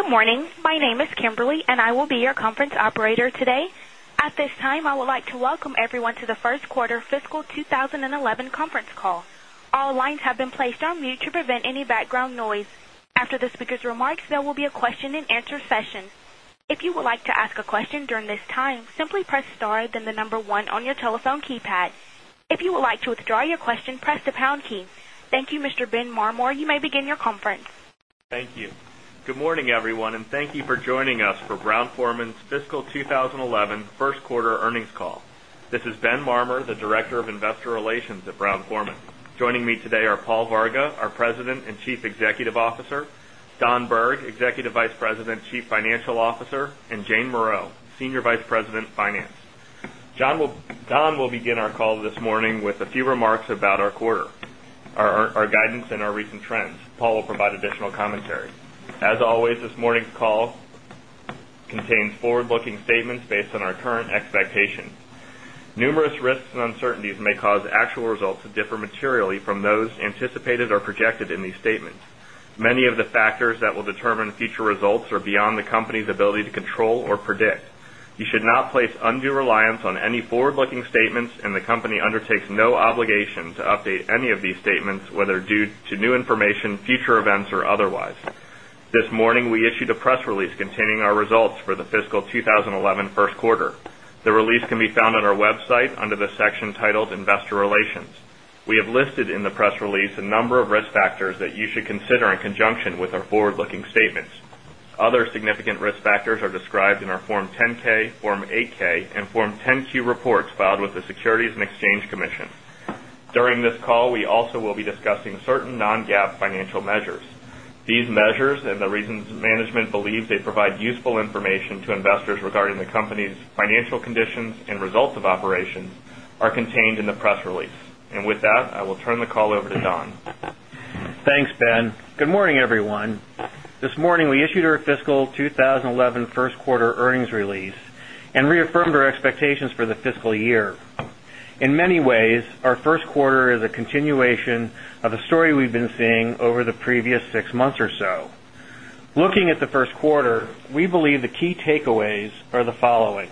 Good morning. My name is Kimberly, and I will be your conference operator today. At this time, I would like to welcome everyone to the First Quarter Fiscal 2011 Conference Call. All lines have been placed on mute to prevent any background noise. After the speakers' remarks, there will be a question and answer session. Thank you. Mr. Ben Marmore, you may begin your conference. Thank you. Good morning, everyone, and thank you for joining us for Brown Forman's fiscal 2011 Q1 earnings call. This is Ben Marmer, the Director of Investor Relations at Brown Forman. Joining me today are Paul Varga, our President and Chief Executive Officer Don Berg, Executive Vice President, Chief Financial Officer and Jane Moreau, Senior Vice President, Finance. Don will begin our call this morning with a few remarks about our quarter, our guidance and our recent trends. Paul will provide additional commentary. As always, this morning's call contains forward looking statements based on our current expectations. Numerous risks and uncertainties may cause actual results to differ materially from those anticipated or projected in these statements. Many of the factors that will determine future results are beyond the company's ability to control or predict. You should not place undue reliance on any forward looking statements and the company undertakes no obligation to update any of these statements whether due to new information, future events or otherwise. This morning, we issued a press release containing our results for the fiscal 20 11 1st quarter. The release can be found on our website under the section titled Investor Relations. We have listed in the press release a number of risk factors that you should consider in conjunction with our forward looking statements. Other significant risk factors are described in our Form 10 ks, Form 8 ks and Form 10 Q reports filed with the Securities and Exchange Commission. During this call, we also will be discussing certain non GAAP financial measures. These measures and the reasons management believes they provide useful information to investors regarding the company's financial conditions and results of operations are contained in the press release. And with that, I will turn the call over to Don. Thanks, Ben. Good morning, everyone. This morning, we issued our fiscal 2011 Q1 earnings release and reaffirmed our expectations for the fiscal year. In many ways, our Q1 is a continuation of a story we've been seeing over the previous 6 months or so. Looking at the Q1, we believe the key takeaways are the following.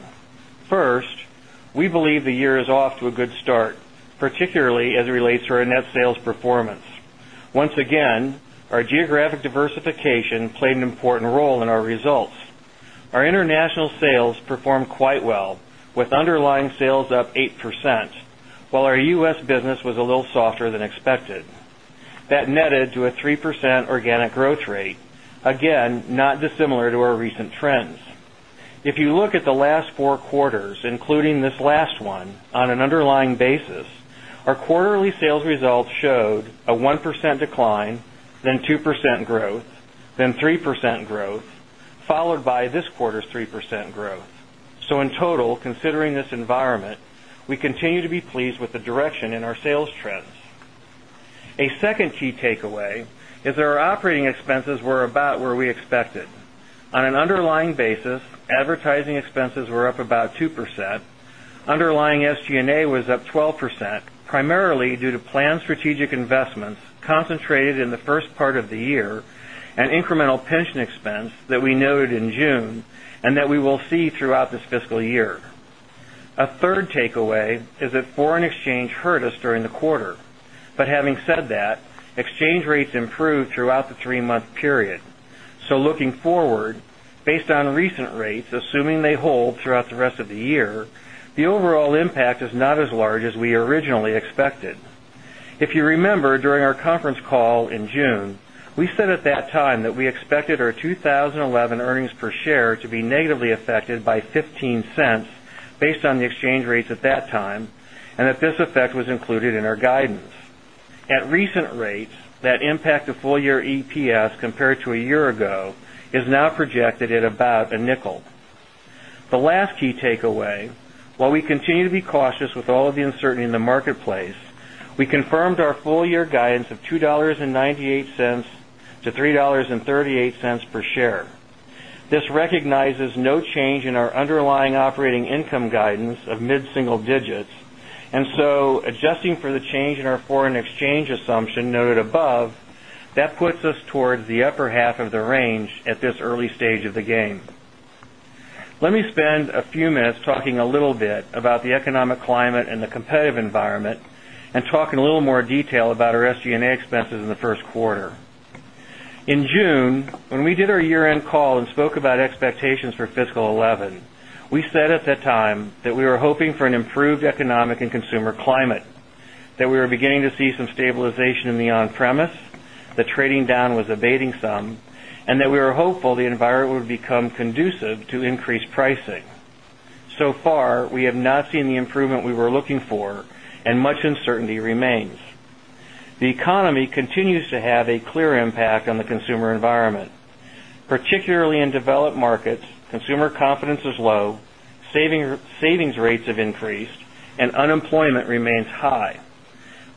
1st, we believe the year is off to a good start, particularly as it relates to our net sales performance. Once again, our geographic diversification played an important role in our results. Our international sales performed quite well with underlying sales up 8%, while our U. S. Business was a little softer than expected. That netted to a 3% organic growth rate, again, not dissimilar to our recent trends. If you look at the last four quarters, including this last one on an underlying basis, our quarterly sales results showed a 1% decline, then 2% growth, then 3% growth, followed by this quarter's 3% growth. So in total, considering this environment, we continue to be pleased with the direction in our sales trends. A second key takeaway is our operating expenses were about where we expected. On an underlying basis, advertising expenses were up about 2%, Underlying SG and A was up 12%, primarily due to planned strategic investments concentrated in the 1st part of the year and incremental pension expense that we noted in June and that we will see throughout this fiscal year. A third takeaway is that foreign exchange hurt us during the quarter. But having said that, exchange rates improved throughout the 3 month period. So looking forward, based on recent rates assuming they hold throughout the rest of the year, the overall impact is not as large as we originally expected. If you remember during our conference call in June, we said at that time that we expected our 20 11 earnings per share to be negatively affected by $0.15 based on the exchange rates at that time and that this effect was included in our guidance. At recent rates, that impact of full year EPS compared to a year ago is now projected at about a $0.01 The last key takeaway, while we continue to be cautious with all of the uncertainty in the marketplace, we confirmed our full year guidance of 2 point $9.8 to 3 point 3 $8 per share. This recognizes no change in our underlying operating income guidance of mid single digits. And so adjusting for the change in our foreign exchange assumption noted above, that puts us towards the upper half of the range at this early stage of the game. Let me spend a few minutes talking a little bit about the economic climate and the competitive environment and talk in a little more detail about our SG and A expenses in the Q1. In June, when we did our year end call and spoke about expectations for fiscal 2011, we said at that time that we were hoping for an improved economic and consumer climate, that we were beginning to see some stabilization in the on premise, the trading down was abating some and that we are hopeful the environment would become conducive to increased pricing. So far, we have not seen the improvement we were looking for and much uncertainty remains. The economy continues to have a clear impact on the consumer environment. Particularly in developed markets, consumer confidence is low, savings rates have increased and unemployment remains high.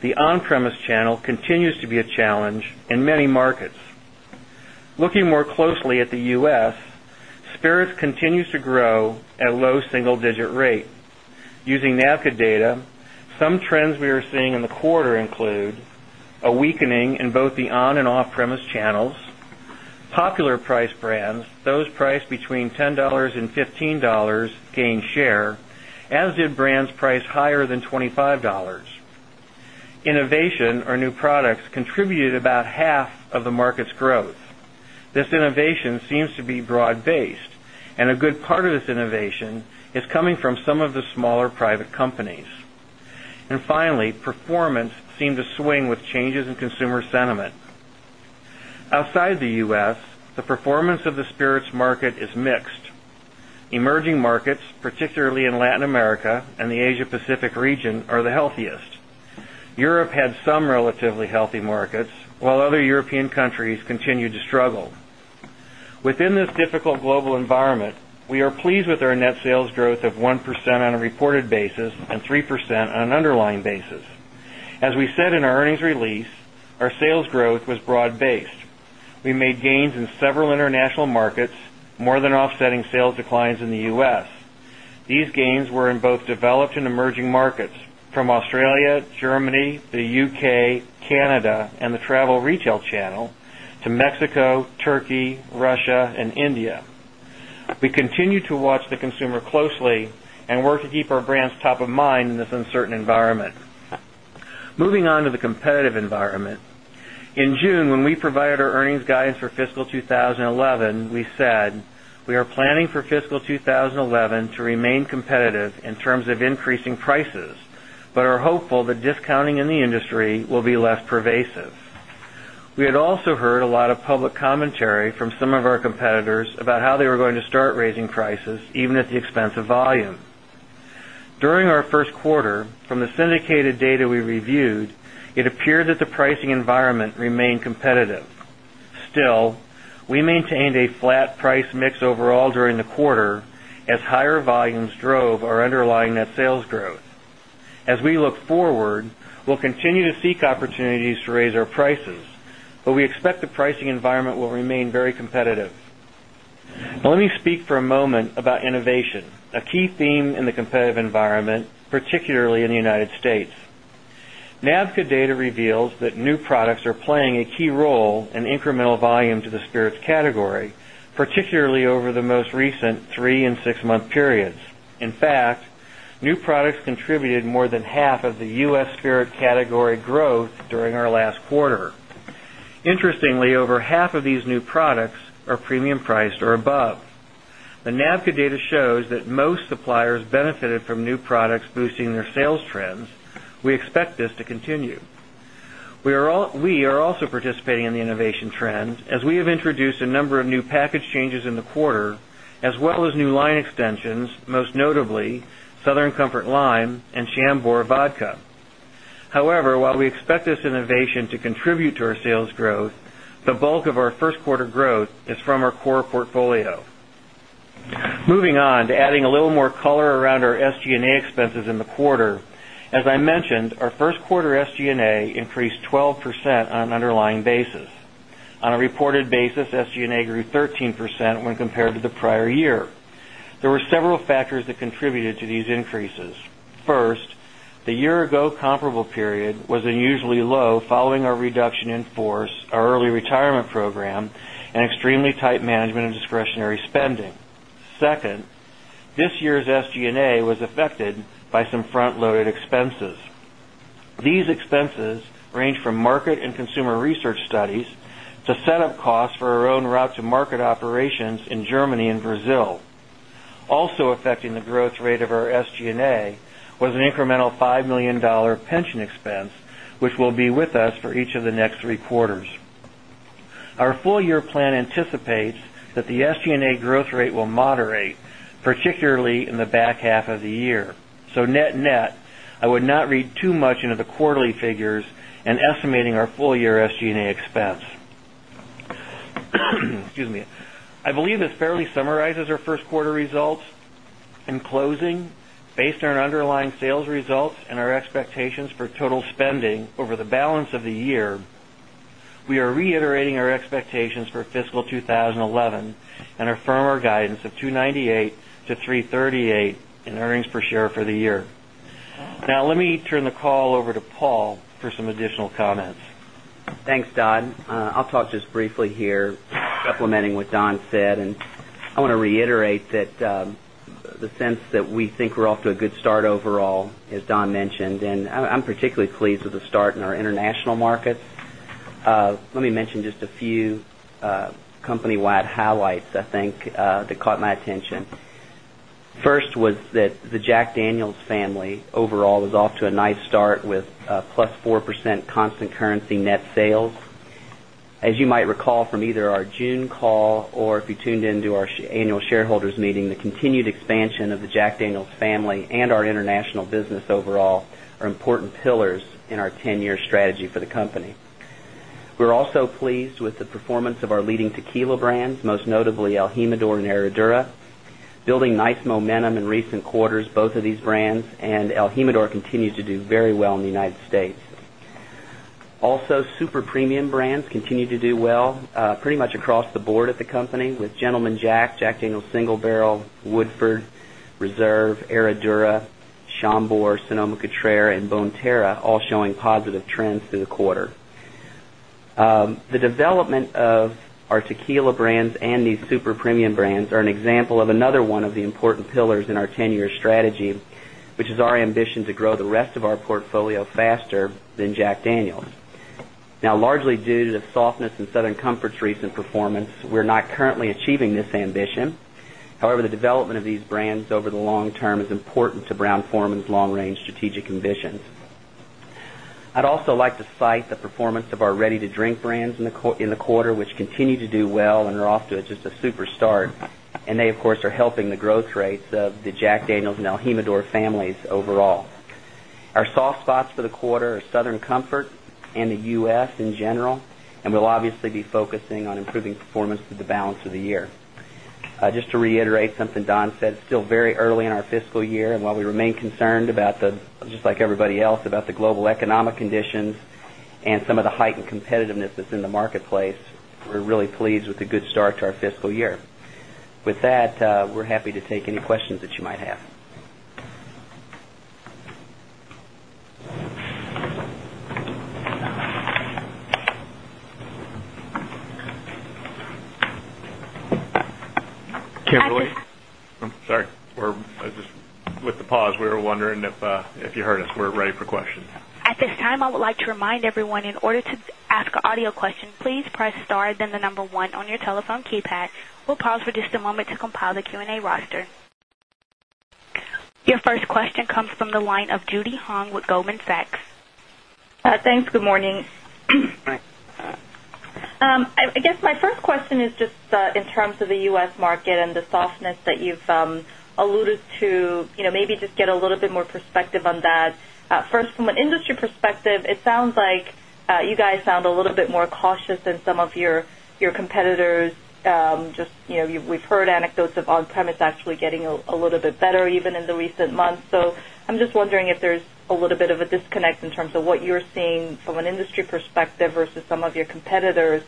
The on premise channel continues to be a challenge in many markets. Looking more closely at the U. S, spirits continues to grow at low single digit rate. Using NAPCA data, some trends we are seeing in the quarter include a weakening in both the on and off premise channels, popular price brands, those priced between $10 $15 gained share as did brands priced higher than $25 Innovation or new products contributed about half of the market's growth. This innovation seems to be broad based and a good This innovation seems to be broad based and a good part of this innovation is coming from some of the smaller private companies. And finally, performance seemed to swing with changes in consumer sentiment. Outside the U. S, the performance of the spirits market is mixed. Emerging markets, particularly in Latin America and the Asia Pacific region are the healthiest. Europe had some relatively healthy markets, while other European countries continue to struggle. Within this difficult global environment, we are pleased with our net sales growth of 1% on a reported basis and 3% on an underlying basis. As we said in our earnings release, our sales growth was broad based. We made gains in several international markets more than offsetting sales declines in the U. S. These gains were in both developed and emerging markets from Australia, Germany, Canada and the travel retail channel to Mexico, Turkey, Russia and India. We continue to watch the consumer closely and work to keep our brands top of mind in this uncertain environment. Moving on to the competitive environment. In June, when we provided our earnings guidance for 2011, we said we are planning for fiscal 2011 to remain competitive in terms of increasing prices, but are hopeful that discounting in the industry will be less pervasive. We had also heard a lot of public commentary from some of our competitors about how they were going to start raising prices even at the expense of volume. During our Q1, from the syndicated data we reviewed, it appeared that the pricing environment remained competitive. Still, we maintained a flat price mix overall during the quarter as higher volumes drove our underlying net sales growth. As we look forward, we'll continue to seek opportunities to raise our prices, but we expect the pricing environment will remain very competitive. Now let me speak for a moment about innovation, a key theme in the competitive environment, particularly in the United States. NAVCO data reveals that new products are playing a key role in incremental volume to spirits category, particularly over the most recent 3 6 month periods. In fact, new products contributed more than half of the U. S. Spirit category growth during our last quarter. Interestingly, over half of these new products are premium priced or above. The NAVCO data shows that most suppliers benefited from new products boosting their sales trends. We expect this to continue. We are also participating in the innovation trends as we have introduced a number of new package changes in the quarter as well as new line extensions, most notably Southern Comfort Lime and Shambhora Vodka. However, while we expect this innovation to contribute to our sales growth, the bulk of our Q1 growth is from our core portfolio. Moving on to adding a little more color around our SG and A expenses in the quarter. As I mentioned, our first quarter SG and A increased 12% On a reported basis, SG and A grew 13% when compared to the prior year. There were several factors that contributed to these increases. First, the year ago comparable period was unusually low following our reduction in force, our early retirement program and extremely tight management and discretionary spending. 2nd, this year's SG and A was affected by some front loaded expenses. These expenses range from market and consumer research studies to set up costs for our own route to market operations in Germany and Brazil. Also affecting the growth rate of our SG and A was an incremental $5,000,000 pension expense, which will be with us for each of the next three quarters. Our full year plan anticipates that the SG and A growth rate will moderate, particularly in the back half of the year. So net net, I would not read too much into the quarterly figures and estimating our year SG and A expense. I believe this fairly summarizes our Q1 results and closing based on our underlying sales results and our expectations for total spending over the balance of the year, we are reiterating our expectations for fiscal 2011 and affirm our guidance of $2.98 to $3.38 in earnings per share for the year. Now let me turn the call over to Paul for some additional comments. Thanks, Don. I'll talk just briefly here, supplementing what Don said. And I want to reiterate that the sense that we think we're off to a good start overall, as Don mentioned, and I'm particularly pleased with the start in our international markets. Let me mention just a few company wide highlights, I think, that caught my attention. First was that the Jack Daniel's family overall is off to a nice start with plus 4% constant currency net sales. As you might recall from either our June call or if you tuned into our Annual Shareholders Meeting, the continued expansion of the Jack Daniel's Daniel's family and our international business overall are important pillars in our 10 year strategy for the company. We're also pleased with the performance of our leading tequila brands, most notably El Jimador and Herradura, building nice momentum in recent quarters both of these brands and El Jimador continues to very well in the United States. Also super premium brands continue to do well pretty much across the board at the company with Gentleman Jack, Jack Daniel's Single Barrel, Woodford, Reserve, Herradura, Chambord, Sonoma Cutera and Bonterra all showing positive trends through the quarter. The development of our tequila brands and these super premium brands are an example of another one of the important pillars in our 10 year strategy, which is to grow the rest of our portfolio faster than Jack Daniel's. Now largely due to the softness in Southern Comfort's recent performance, we're not currently achieving this ambition. However, the development of these brands over the long term is important to Brown Forman's long range strategic ambitions. I'd also like to cite the performance of our ready to drink brands in the quarter, which continue to do well and are off to just a super start. And they, of course, are helping the growth rates of the Jack Daniel's and El Jimador families overall. Our soft spots for the quarter are Southern Comfort and the U. S. In general, and we'll obviously be focusing on improving performance through the balance of the year. Just to reiterate something Don said, it's still very early in our fiscal year and while we remain concerned about the just like everybody else about the global economic conditions and some of the heightened competitiveness that's in the marketplace, we're really pleased with the good start to our fiscal year. With that, we're happy to take any questions that you might have. Sorry, we're just with the pause. We were wondering if you heard us. We're ready for questions. Your first question comes from the line of Judy Hong with Goldman Sachs. Thanks. Good morning. I guess my first question is just in terms of the U. S. Market and the softness that you've alluded to, maybe just get a little bit more perspective on that. Industry perspective, it sounds like you guys sound a little bit more cautious than some of competitors. Just we've heard anecdotes of on premise actually getting a little bit better even in the recent months. So I'm just wondering if there's a little bit of a disconnect in terms of what you're seeing from an industry perspective versus some of your competitors.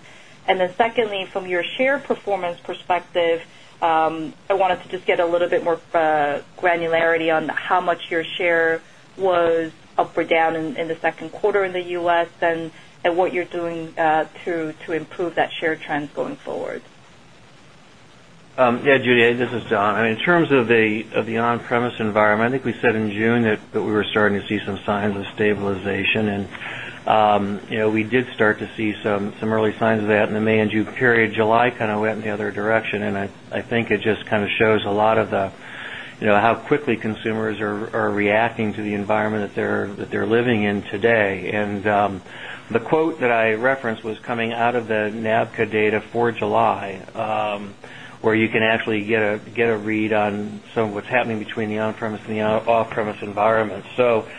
And then secondly, from your share performance perspective, I wanted to just get a little bit more granularity on how much your share was up or down in the Q2 in the U. S. And what you're doing to improve that share trends going forward? Yes, Judy, this is John. In terms of the on premise environment, I think we said in June that we were starting to see some signs of stabilization. And we did start to see some early signs of that in the May June period. July kind of went in the other direction. And I think it just kind of shows a lot of the how quickly consumers are reacting to the environment that they're living in today. And the quote that I referenced was coming out of the NAVCO data for July, where you can actually get a read on some of what's happening between the on premise and the off premise environment. So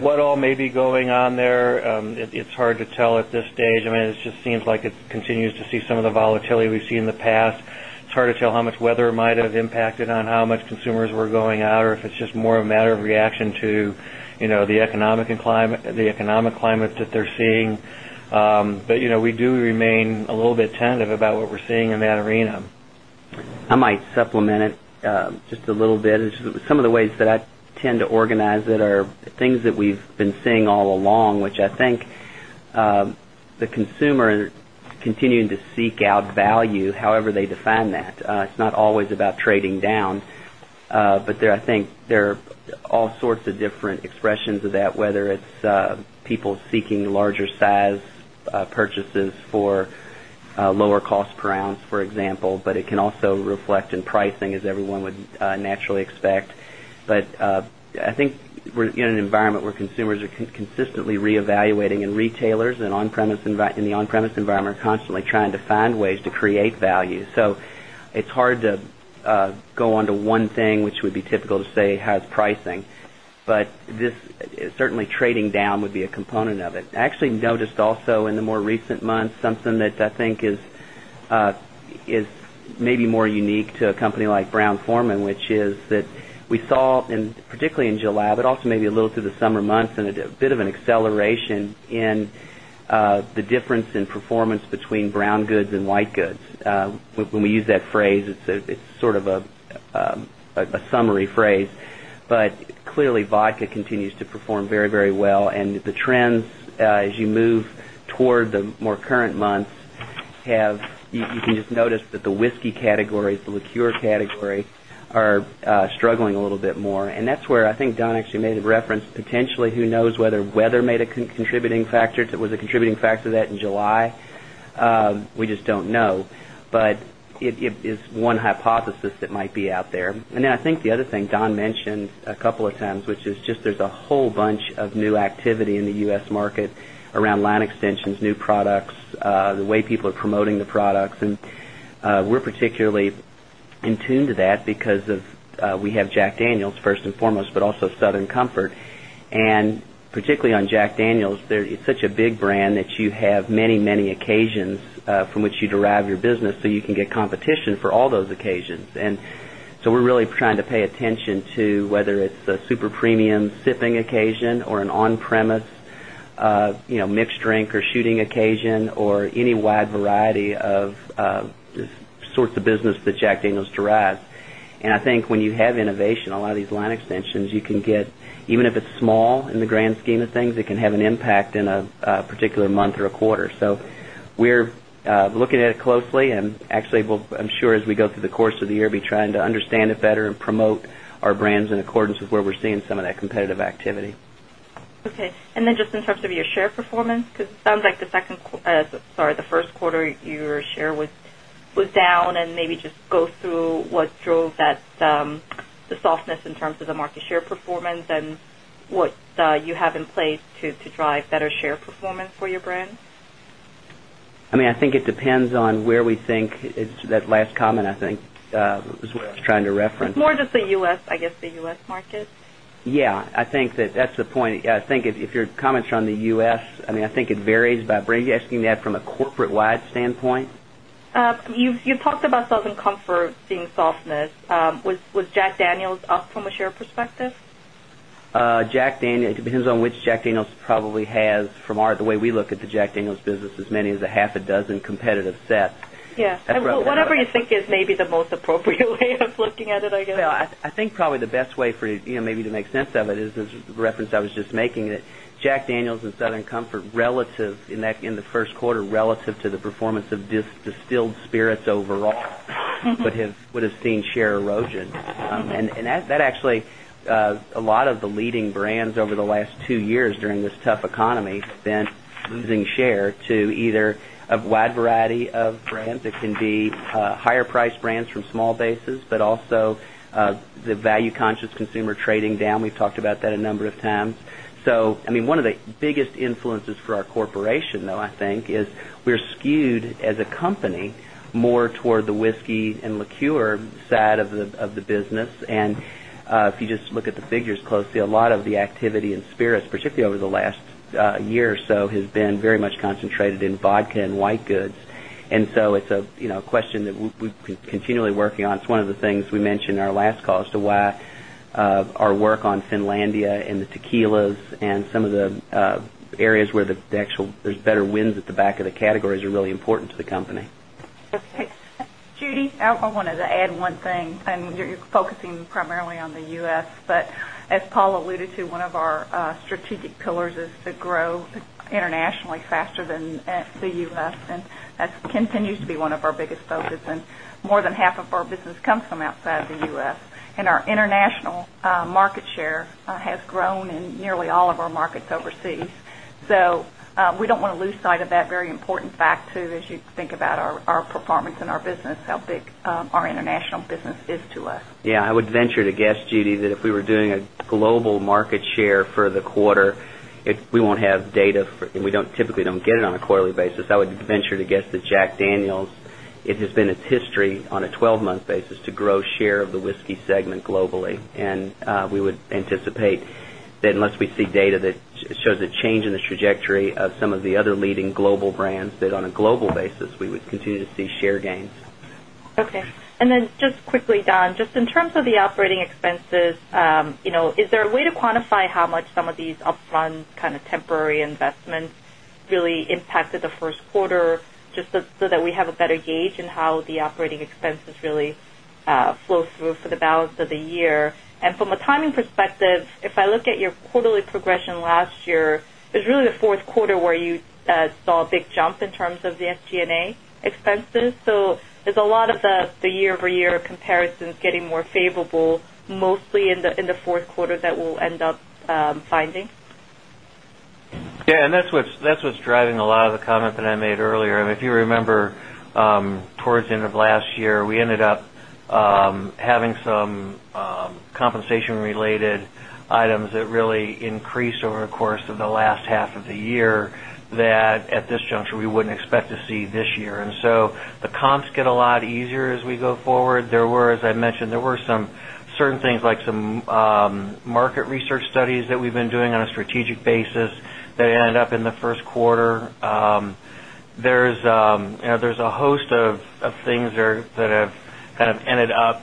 what all may be going on there? It's hard to tell at this stage. I mean, it just seems like it continues to see some of the volatility we've seen in the past. It's hard to tell how much weather might have impacted on how much consumers were going out or if it's just more a matter of reaction to the economic climate that they're seeing. But we do remain a little bit tentative about what we're seeing in that arena. I might supplement it just a little bit. Some of the ways that I tend to organize that are things that we've been seeing all along, which I think the consumer continuing to seek out value, however they define that. It's not always about trading down. But there I think there are all sorts of different expressions of that whether it's people seeking larger size purchases for lower cost per ounce, for example, but it can also reflect in pricing as everyone would naturally expect. But I think we're in an environment where consumers are consistently reevaluating and retailers in the on premise environment are constantly trying to find ways to create value. So it's hard to go on to one thing, which would be typical to say has pricing. But this certainly trading down would be a component of it. I actually noticed also in the more recent months something that I think is maybe more unique to a company like Brown Forman, which is that we saw particularly in Gilab, but also maybe a little through the summer months and a bit of an acceleration in the difference in performance between brown goods and white goods. When we use that phrase, it's sort of a summary phrase. But clearly, vodka continues to perform very, very well. And the trends as you move toward the more current months have you can just notice that the whiskey categories, the liqueur category are struggling a little bit more. And that's where I think Don actually made a reference potentially who knows whether weather made a contributing factor to it was a contributing factor to that in July. We just don't know. But it is one hypothesis that might be out there. And then I think the other thing Don mentioned a couple of times, which is just there's a whole bunch of new activity in the U. S. Market around line extensions, new products, the way people are promoting the products. And we're particularly in tune to that because of we have Jack Daniel's 1st and foremost, but also Southern Comfort. And particularly on Jack Daniel's, it's such a big brand that you have many, many occasions from which you derive your business so you can get competition for all those occasions. And so we're really trying to pay attention to whether it's a super premium sipping occasion or an on premise mixed drink or shooting occasion or any wide variety of sorts of business that Jack Daniel's derive. And I think when you have innovation, a lot of these line extensions, you can get even if it's small in the grand scheme of things, it can have an impact in a particular month or a quarter. So we're looking at it closely and actually, I'm sure as we go through the course of the year, we'll be trying to understand it better and promote our brands in accordance with where we're seeing some of that competitive activity. Okay. And then just in terms of your share performance, because it sounds like the second sorry, the Q1 your share was down and maybe just go through what drove that the softness in terms of the market share performance and what you have in place to drive better share performance for your brand? I mean, I think it depends on where we think that last comment, I think, is what I was trying to reference. More just the U. S, I guess, the U. S. Market? Yes. I think that that's the point. I think if your comments are on the U. S, I mean, I think it varies by bringing you asking that from a corporate wide standpoint? You've talked about Southern Comfort being softness. Was Jack Daniels up from a share perspective? Jack Daniels, it depends on which Jack Daniels probably has from our the way we look at the Jack Daniels business as many as a half a dozen competitive sets. Yes. Whatever you think is maybe the most appropriate way of looking at it, I guess. I think probably the best way for you maybe to make sense of it is the reference I was just making it. Jack Daniels and Southern Comfort in the Q1 relative to the performance of distilled spirits overall would have seen share erosion. And that actually a lot of the leading brands over the last 2 years during this tough economy has been losing share to either a wide variety of brands that can be higher priced brands from small bases, but also the value conscious consumer trading down. We've talked about that a number of times. So I mean one of the biggest influences for our corporation though I think is we're skewed as a company more toward the whiskey and liqueur side of the business. And if you just look at the figures closely, a lot of we've we've continually working on. It's one of the things we mentioned in our last call as to why our work on Finlandia and the tequilas and some of the areas where the actual there's better wins at the back of the categories are really important to the company. Judy, I wanted to add one thing and you're focusing primarily on the U. S. But as Paul alluded to, one of our strategic pillars is to grow internationally faster than the U. S. And continues to be one of our biggest focus and more than half of our business comes from outside the U. S. And our international market share has grown in nearly all of our markets overseas. So we don't want to lose sight of that very important fact too as you think about our performance in our business, how big our international business is to Yes, I would venture to guess, Judy, that if we were doing a global market share for the quarter, we won't have data and we don't typically don't get it on a quarterly basis. I would venture to guess that Jack Daniel's, it has been its history on a 12 month basis to grow share of the whiskey segment globally. And we would anticipate that unless we see data that shows a change in the trajectory of some of the other leading global brands that on a global basis, we would continue to see share gains. Okay. And then just quickly Don, just in terms of the operating expenses, is there a way to quantify how much some of these upfront kind of temporary investments really impacted the Q1 just so that we have a better gauge in how the operating expenses really flow through for the balance of the year. And from a timing perspective, if I look at your quarterly progression last year, it was really the Q4 where you saw a big jump in terms of the SG and A expenses. So is a lot of the year over year comparisons getting more favorable mostly in the Q4 that we'll end up finding? Yes. And that's what's driving a lot of the comment that I made earlier. And if you remember towards the end of last year, we ended up having some compensation related items that really increased over the course of the last half of the year that at this juncture we wouldn't expect to see this year. And so the comps get a lot easier as we go forward. There were as I mentioned, there were some certain things like some market research studies that we've been doing on a strategic basis that ended up in the Q1. There's a host of things that have kind of ended up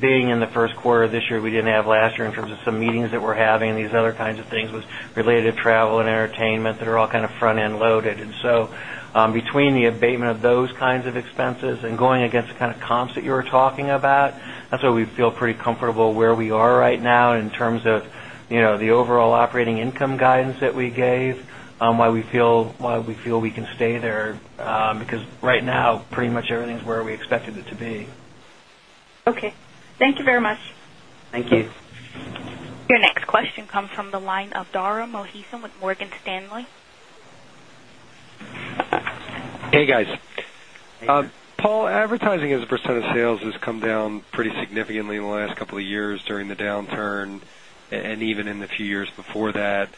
being in the Q1 of this year. We didn't have last year in terms of some meetings that we're having. These other kinds of things was related to travel and entertainment that are all kind of front end loaded. And so between the abatement of those kinds of expenses and going against the kind of comps that you were talking about, that's why we feel pretty comfortable where we are right now in terms of the overall operating income guidance that we gave, why we feel we can stay there, because right now pretty much everything is where we expected it to be. Okay. Thank you very much. Thank you. Your next question comes from the line of Dara Mohsen with Morgan Stanley. Hey, guys. Paul, advertising as a percent of sales has come down pretty significantly in the last couple of years during the downturn and even in the few years before that.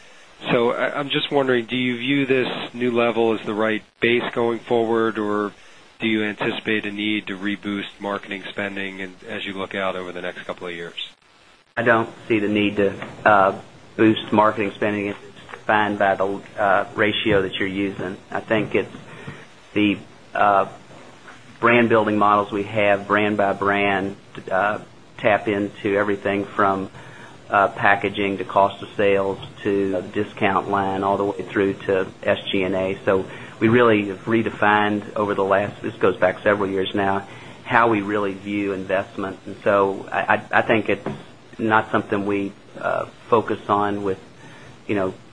So I'm just wondering, do you view this new level as the right base going forward? Or do you anticipate a need to reboost marketing spending as you look out over the next couple of years? I don't see the need to boost marketing spending if it's defined by the ratio that you're using. I think it's the brand building models we have brand by brand tap in to everything from packaging to cost of sales to discount line all the way through to SG and A. So we really have redefined over the last this goes back several years now, how we really view investments. And so I think it's not something we focus on with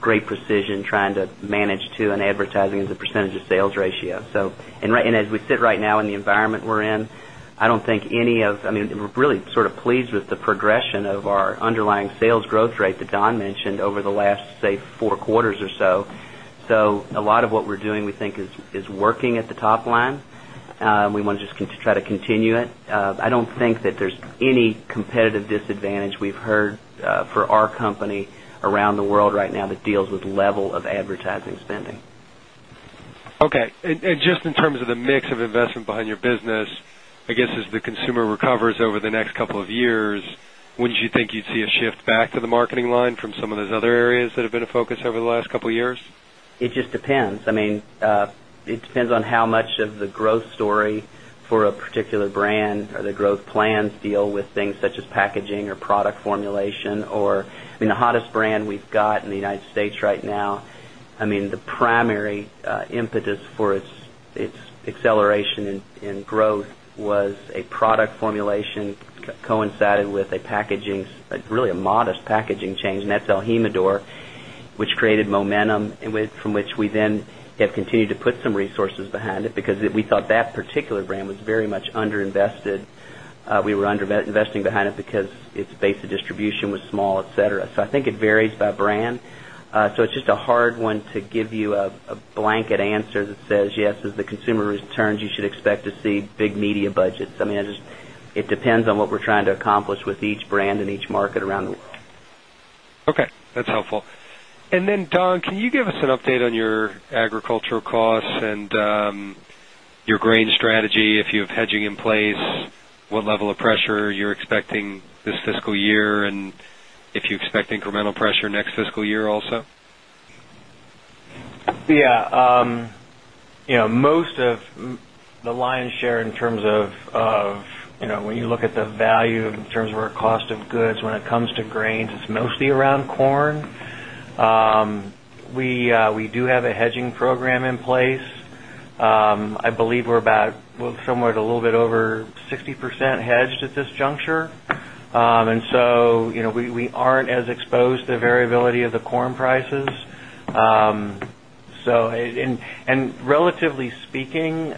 great precision trying to manage to an advertising as a percentage of sales ratio. So and as we sit right now in the environment we're in, I don't think any of I mean, we're really sort of pleased with the progression of our underlying sales growth rate that Don mentioned over the last say 4 quarters or so. So a lot of what we're doing we think is working at the top line. We want to just try to continue it. I don't think that there's any competitive disadvantage we've heard for our company around the world right now that deals with level of advertising It just depends. I mean, it depends on how much of the growth you're seeing in the It just depends. I mean, it depends on how much of the growth story for a particular brand or the growth plans deal with things such as packaging or product formulation or I mean the hottest brand we've got in the United States right now, I mean the primary impetus for its acceleration in growth was a product formulation coincided with a packaging really a modest packaging change in and that's El Jimador, which created momentum from which we then have continued to put some resources behind it because we thought that particular brand was very much under invested. We were under investing behind it because its base of distribution was small, etcetera. So I think it varies by brand. So it's just a hard one to give you a blanket answer that says, yes, as the consumer returns, you should expect to see big media budgets. I mean, I just it depends on what we're trying to accomplish with each brand in each market around the world. Okay, that's helpful. And then, Don, can you give us an update on your agricultural costs and your grain strategy, if you have hedging in place, what level of pressure you're expecting this fiscal year and if you expect incremental pressure next fiscal year also? Yes. Most of the lion's share in terms of when you look at the value terms of our cost of goods when it comes to grains, it's mostly around corn. We do have a hedging program in place. I believe we're about, well, somewhere to a little bit over 60% hedged at this juncture. And so we are as exposed to variability of the corn prices. So and relatively speaking,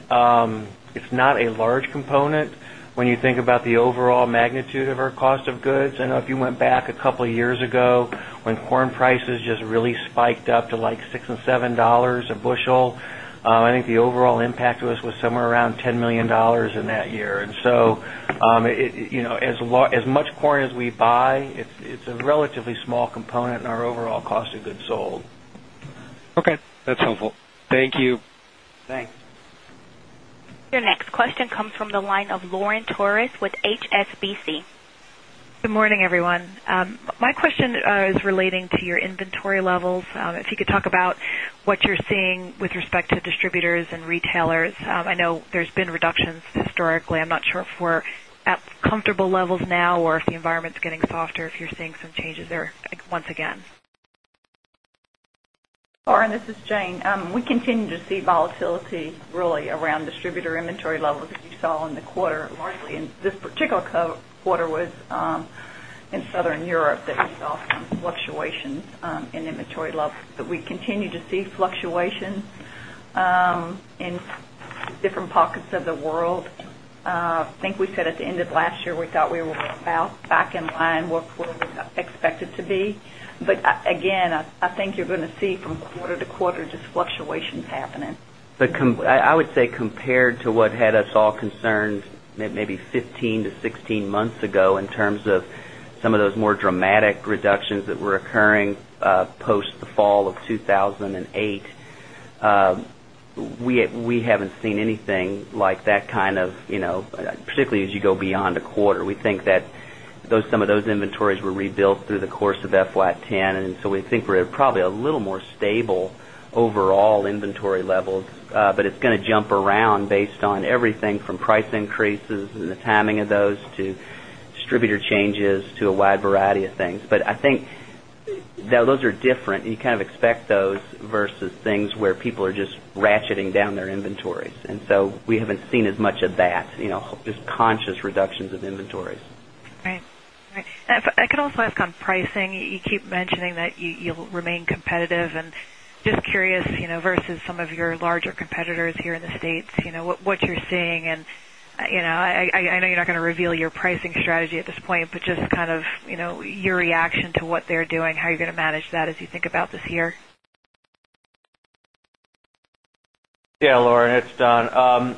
it's not a large component when you think about the overall magnitude of our cost of goods. I know if you went back a couple of years ago when corn prices just really spiked up to like $6 $7 a bushel, I think the overall impact to us was somewhere around $10,000,000 in that year. And so, as much corn as we buy, it's a relatively small component in our overall cost of goods sold. Okay. That's helpful. Thank you. Thanks. Your next question comes from the line of Lauren Torres with HSBC. Good morning, everyone. My question is relating to your inventory levels. If you could talk about what you're seeing with respect to distributors and retailers? I know there's been reductions historically. I'm not sure if we're at comfortable levels now or if the environment is getting softer if you're seeing some changes there once again? Oren, this is Jane. We continue to see volatility really around distributor inventory levels that you saw in the quarter, largely in this particular quarter was in Southern Europe that we saw some fluctuations in inventory levels. But we continue to see fluctuations in different pockets of the world. I think we said at the end of last year, we thought we were about back in line what we expected to be. But again, I think you're going to see from quarter to quarter just fluctuations happening. But I would say compared to what had us all concerned maybe 15 months to 16 months ago in terms of some of those more dramatic reductions that were occurring post the fall of 2,008. We haven't rebuilt through the course of FY 'ten. And so we think we're probably a little more stable overall inventory levels, but it's going to jump around based on everything from price increases and the timing of those to distributor changes to a wide variety of things. But I think those are different. You kind of expect those versus things where people are just ratcheting down their inventories. And so we haven't seen as much of that, just conscious reductions of inventories. Right. And I could also ask on pricing. You keep mentioning that you'll remain competitive. And just curious versus some of your larger competitors here in the States, what you're seeing? And I know you're going to reveal your pricing strategy at this point, but just kind of your reaction to what they're doing, how you're going to manage that as you think about this year? Yes, Lauren, it's Don.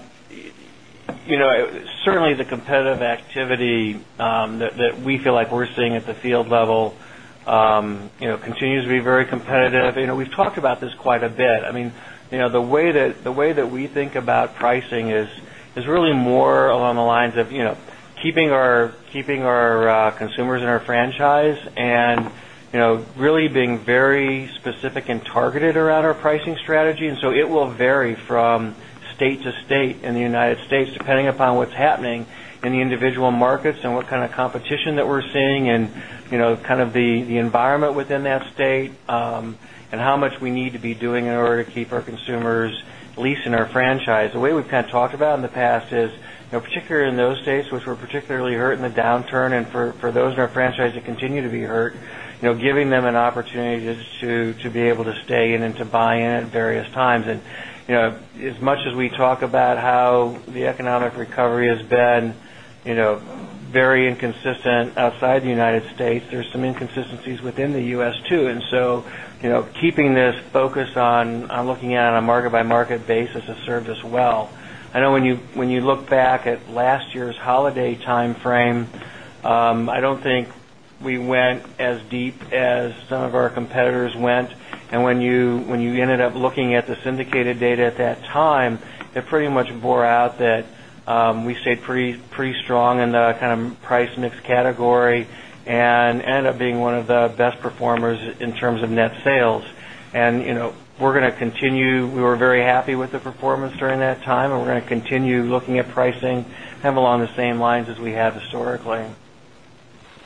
Certainly, the competitive activity that we feel like we're seeing at the field level continues to be very competitive. We've talked about this quite a bit. I mean, the way that we think about pricing is really more along the lines of keeping our consumers in our franchise and really being very specific and targeted around our pricing strategy. And so it will vary from state to state in the United States depending upon what's happening in the individual markets and what kind of competition that we're seeing and kind of the environment within that state and how much we need to be doing in order to keep our consumers leasing our franchise. The way we've kind of talked about in the past is, particularly in those states, which were particularly hurt in the downturn and for those in our franchise that continue to be hurt, giving them an opportunity to be able to stay in and to buy in at various times. And as much as we talk about how the economic recovery has been very inconsistent outside the United States, there are some inconsistencies within the U. S. Too. And so keeping this focus on looking at it on a market by market basis has served us well. I know when you look back at last year's holiday timeframe, I don't think we went as deep as some of our competitors went. And when you ended up looking at the syndicated data at that time, it pretty much bore out that, we stayed pretty strong in the kind of price mix category and end up being one of the best performers in terms of net sales. And we're going to continue we were very happy with the performance during that time and we're going to continue looking at pricing kind of along the same lines as we have historically.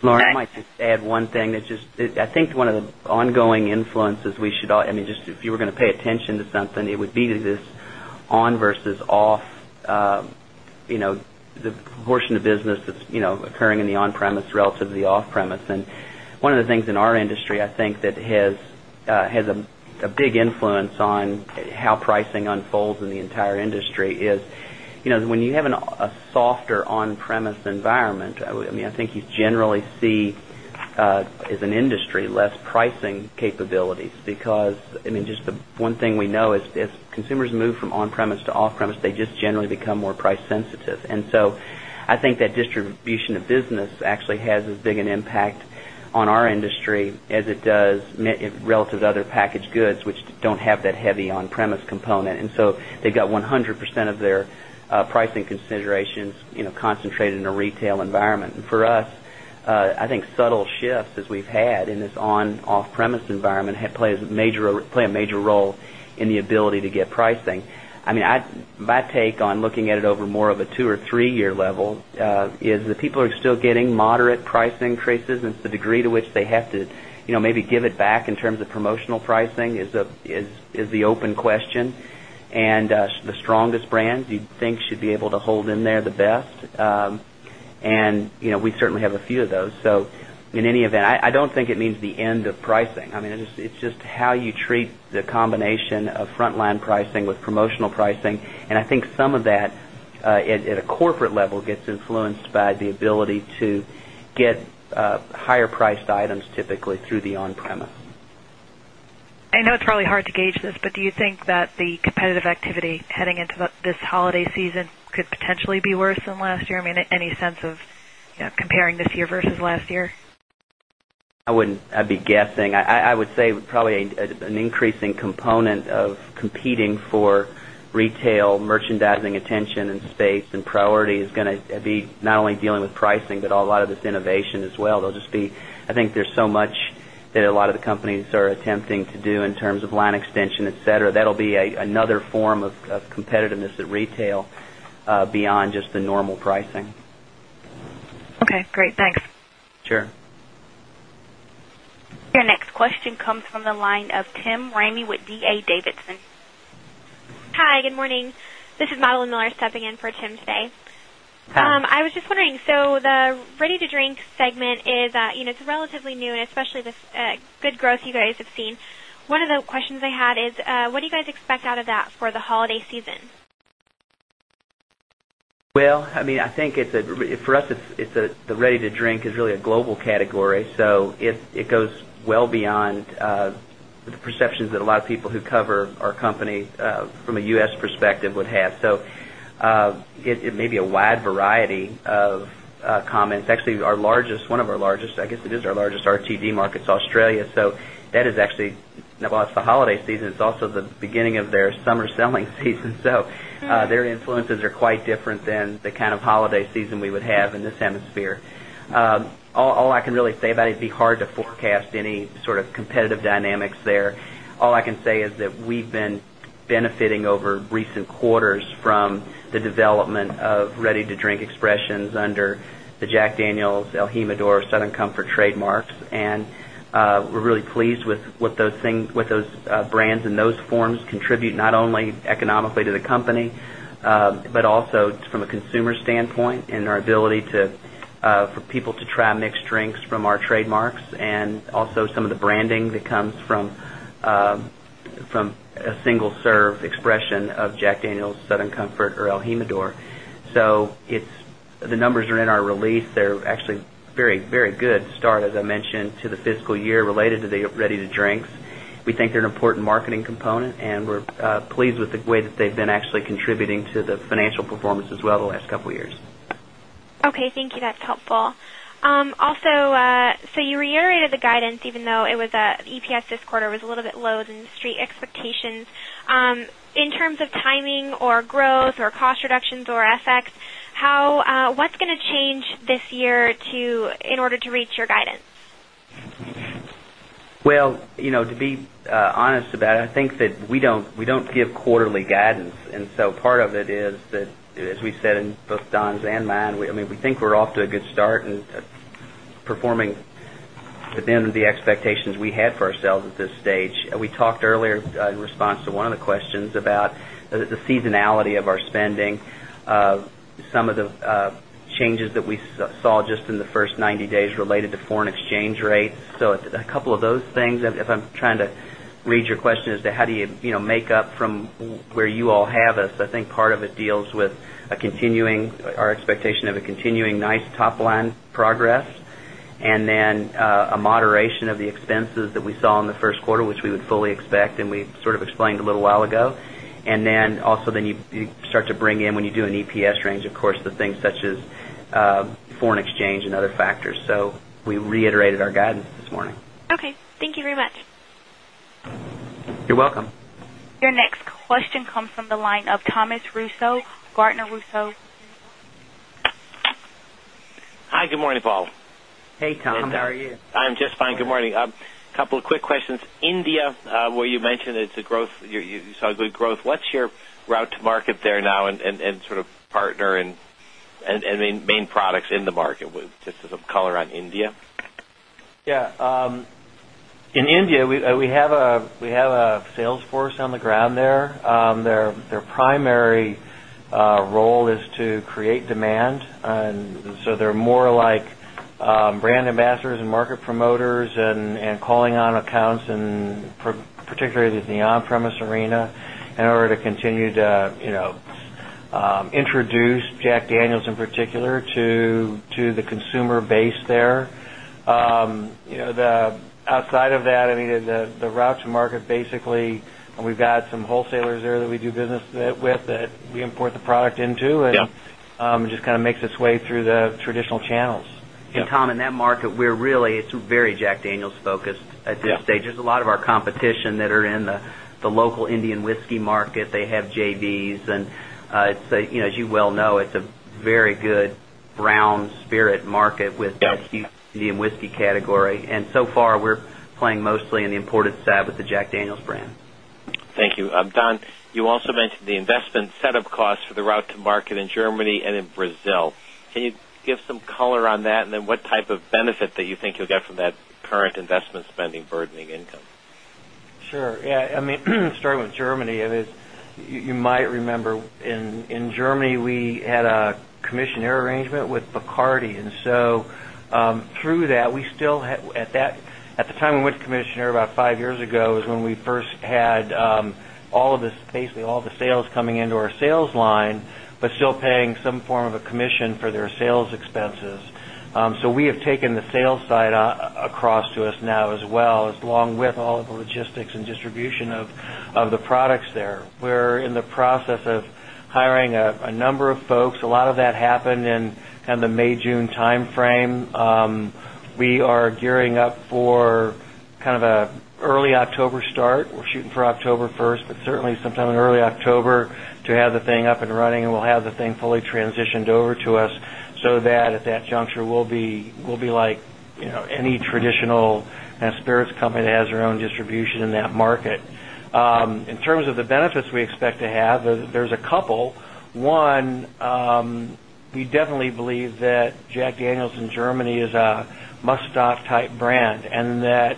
Lauren, I might just add one thing that just I think one of the ongoing influences we should all I mean, just if you were going to pay attention to something, it would be this on versus off, the portion of business that's occurring in the on premise relative to the off premise. Unfolds in the unfolds in the entire industry is, when you have a softer on premise environment, I mean, I think you generally see as an industry less pricing capabilities because I mean just the one thing we know is consumers move from on premise off premise, they just generally become more price sensitive. And so I think that distribution of business actually has as big an impact on our industry as it does relative to other packaged goods, which don't have that heavy on premise component. And so they've got 100 percent of their pricing considerations concentrated in a retail environment. And for us, I think subtle shifts as we've had in this on off premise environment play a major role in the ability to get pricing. I mean, my take on looking at it over more of a 2 or 3 year level is that people are still getting moderate price increases and the degree to which they have to maybe give it back in terms the best the best. And we certainly have a few of those. So in any event, I don't think it means the end of pricing. I mean, it's just how you treat the combination of frontline pricing with promotional pricing. And I think some of that at a corporate level gets influenced by the ability to get higher priced items typically through the on premise. I know it's probably hard to gauge this, but do you think that the competitive activity heading into this holiday season could potentially be worse than last year? I mean, any sense of comparing this year versus last year? I wouldn't I'd be guessing. I would say probably an increasing component of competing for retail merchandising attention and space and priority is going to be not only dealing with pricing, but a lot of this innovation as well. There will just be I think there is so much that a lot of the companies are attempting to do in terms of line extension, etcetera. That will be another form of competitiveness at retail beyond just the normal pricing. Okay, great. Thanks. Sure. Your next question comes from the line of Tim Ramey with D. A. Davidson. Hi, good morning. This is Madelyn Miller stepping in for Tim today. I was just wondering, so the ready to drink segment is relatively new and especially this good growth you guys have seen. One of the questions I had is, what do you guys expect out of that for the holiday season? Well, I mean, I think it's a for us, it's the ready to drink is really a global category. So it goes well beyond the perceptions that a lot of people who cover our company from a U. S. Perspective would have. So it may be a wide variety of comments. Actually, our largest one of our largest, I guess it is our largest RTD market is Australia. So that is actually holiday season, it's also the beginning of their summer selling season. So their influences are quite different than the kind of holiday season we would have in this hemisphere. All I can really say about it, it'd be hard to forecast any sort of competitive dynamics there. All I can say is that we've been benefiting over recent quarters from the development of ready to drink expressions under the Jack Daniel's, El Jimador, Southern Comfort Trademarks. And we're really pleased with what those brands in those forms contribute not only economically to the company, but also from a consumer standpoint and our ability to for people to try mixed drinks from our trademarks and also some of the branding that comes from a single serve expression of Jack Daniel's Southern Comfort or El Jimador. So it's the numbers are in our release. They're actually very, very good start as I mentioned to the fiscal year related to the ready to drinks. We think they're an important marketing component and we're pleased with the way that they've been actually contributing to the financial performance as well the last couple of years. Also, so you reiterated the guidance even though it was EPS this quarter was a little bit low than the Street expectations. In terms of timing or growth or cost reductions or FX, how what's going to change this year to in order to reach your guidance? Well, to be honest about it, I think that we don't give quarterly guidance. And so part of it is that, as we said in both Don's and mine, I mean, we think we're off to a good start and performing within the expectations we had for sales at this stage. We talked earlier in response to one of the questions about the seasonality of our spending, some of the changes that we saw just in the 1st 90 days related to foreign exchange rates. So a couple of those things, if I'm trying to read your question as to how do you make up from where you all have us, I think part of it deals with a continuing our expectation of a a continuing nice top line progress and then a moderation of the expenses that we saw in the Q1, which we would expect and we sort of explained a little while ago. And then also then you start to bring in when you do an EPS range, of course, the things such as foreign exchange and other factors. So we reiterated our guidance this morning. Okay. Thank you very much. You're welcome. Your next question comes from the line of Thomas Russo, Gartner Russo. Hi, good morning, Paul. Hey, Tom. How are you? I'm just fine. Good morning. A couple of quick questions. India, where you mentioned it's a growth, you saw good growth. What's your route to market there now and sort of partner and main products in the market with just some color on India? Yes. In India, we have a sales force on the ground there. Their primary role is to create demand. And so they're more like brand ambassadors and market promoters and calling on accounts and particularly the on premise arena in order to continue to introduce Jack Daniel's in particular to the consumer base there. Outside of that, I mean, the route to market basically, and we've got some wholesalers there that we do business with that we import the product into and just kind of makes its way through the traditional channels. Yes, Tom, in that market, we're really it's very Jack Daniel's focused at this stage. There's a lot of our competition that are in the local Indian whiskey market. They have JVs. And as you well know, it's very good brown spirit market with that huge whiskey category. And so far, we're playing mostly in the important side with the Jack Daniel's brand. Thank you. Don, you also mentioned the investment setup costs for the route to market in Germany and in Brazil. Can you give some color on that? And then what type of benefit that you think you'll get from that current investment spending burdening income? Sure. Yes, I mean, starting with Germany, you might remember in Germany, we had a commissionaire arrangement with Bacardi. And so through that, we still at the time we went to Commissioner about 5 years ago is when we first had all of this basically all the sales coming into our sales line, but still paying some form of a commission for their sales expenses. So we have taken the sales side across to us now as well along with all of the logistics and distribution of the products there. We're in the process of hiring a number of folks. A lot of that happened in kind of the May June timeframe. We are gearing up for kind of a early October start. Shooting for October 1, but certainly sometime in early October to have the thing up and running and we'll have the thing fully transitioned over to us. So that at that juncture we'll be like any traditional spirits company that has their own distribution in that market. In terms of the benefits we expect to have, there's a couple. 1, we definitely believe that Jack Daniel's in Germany is a must have type brand and that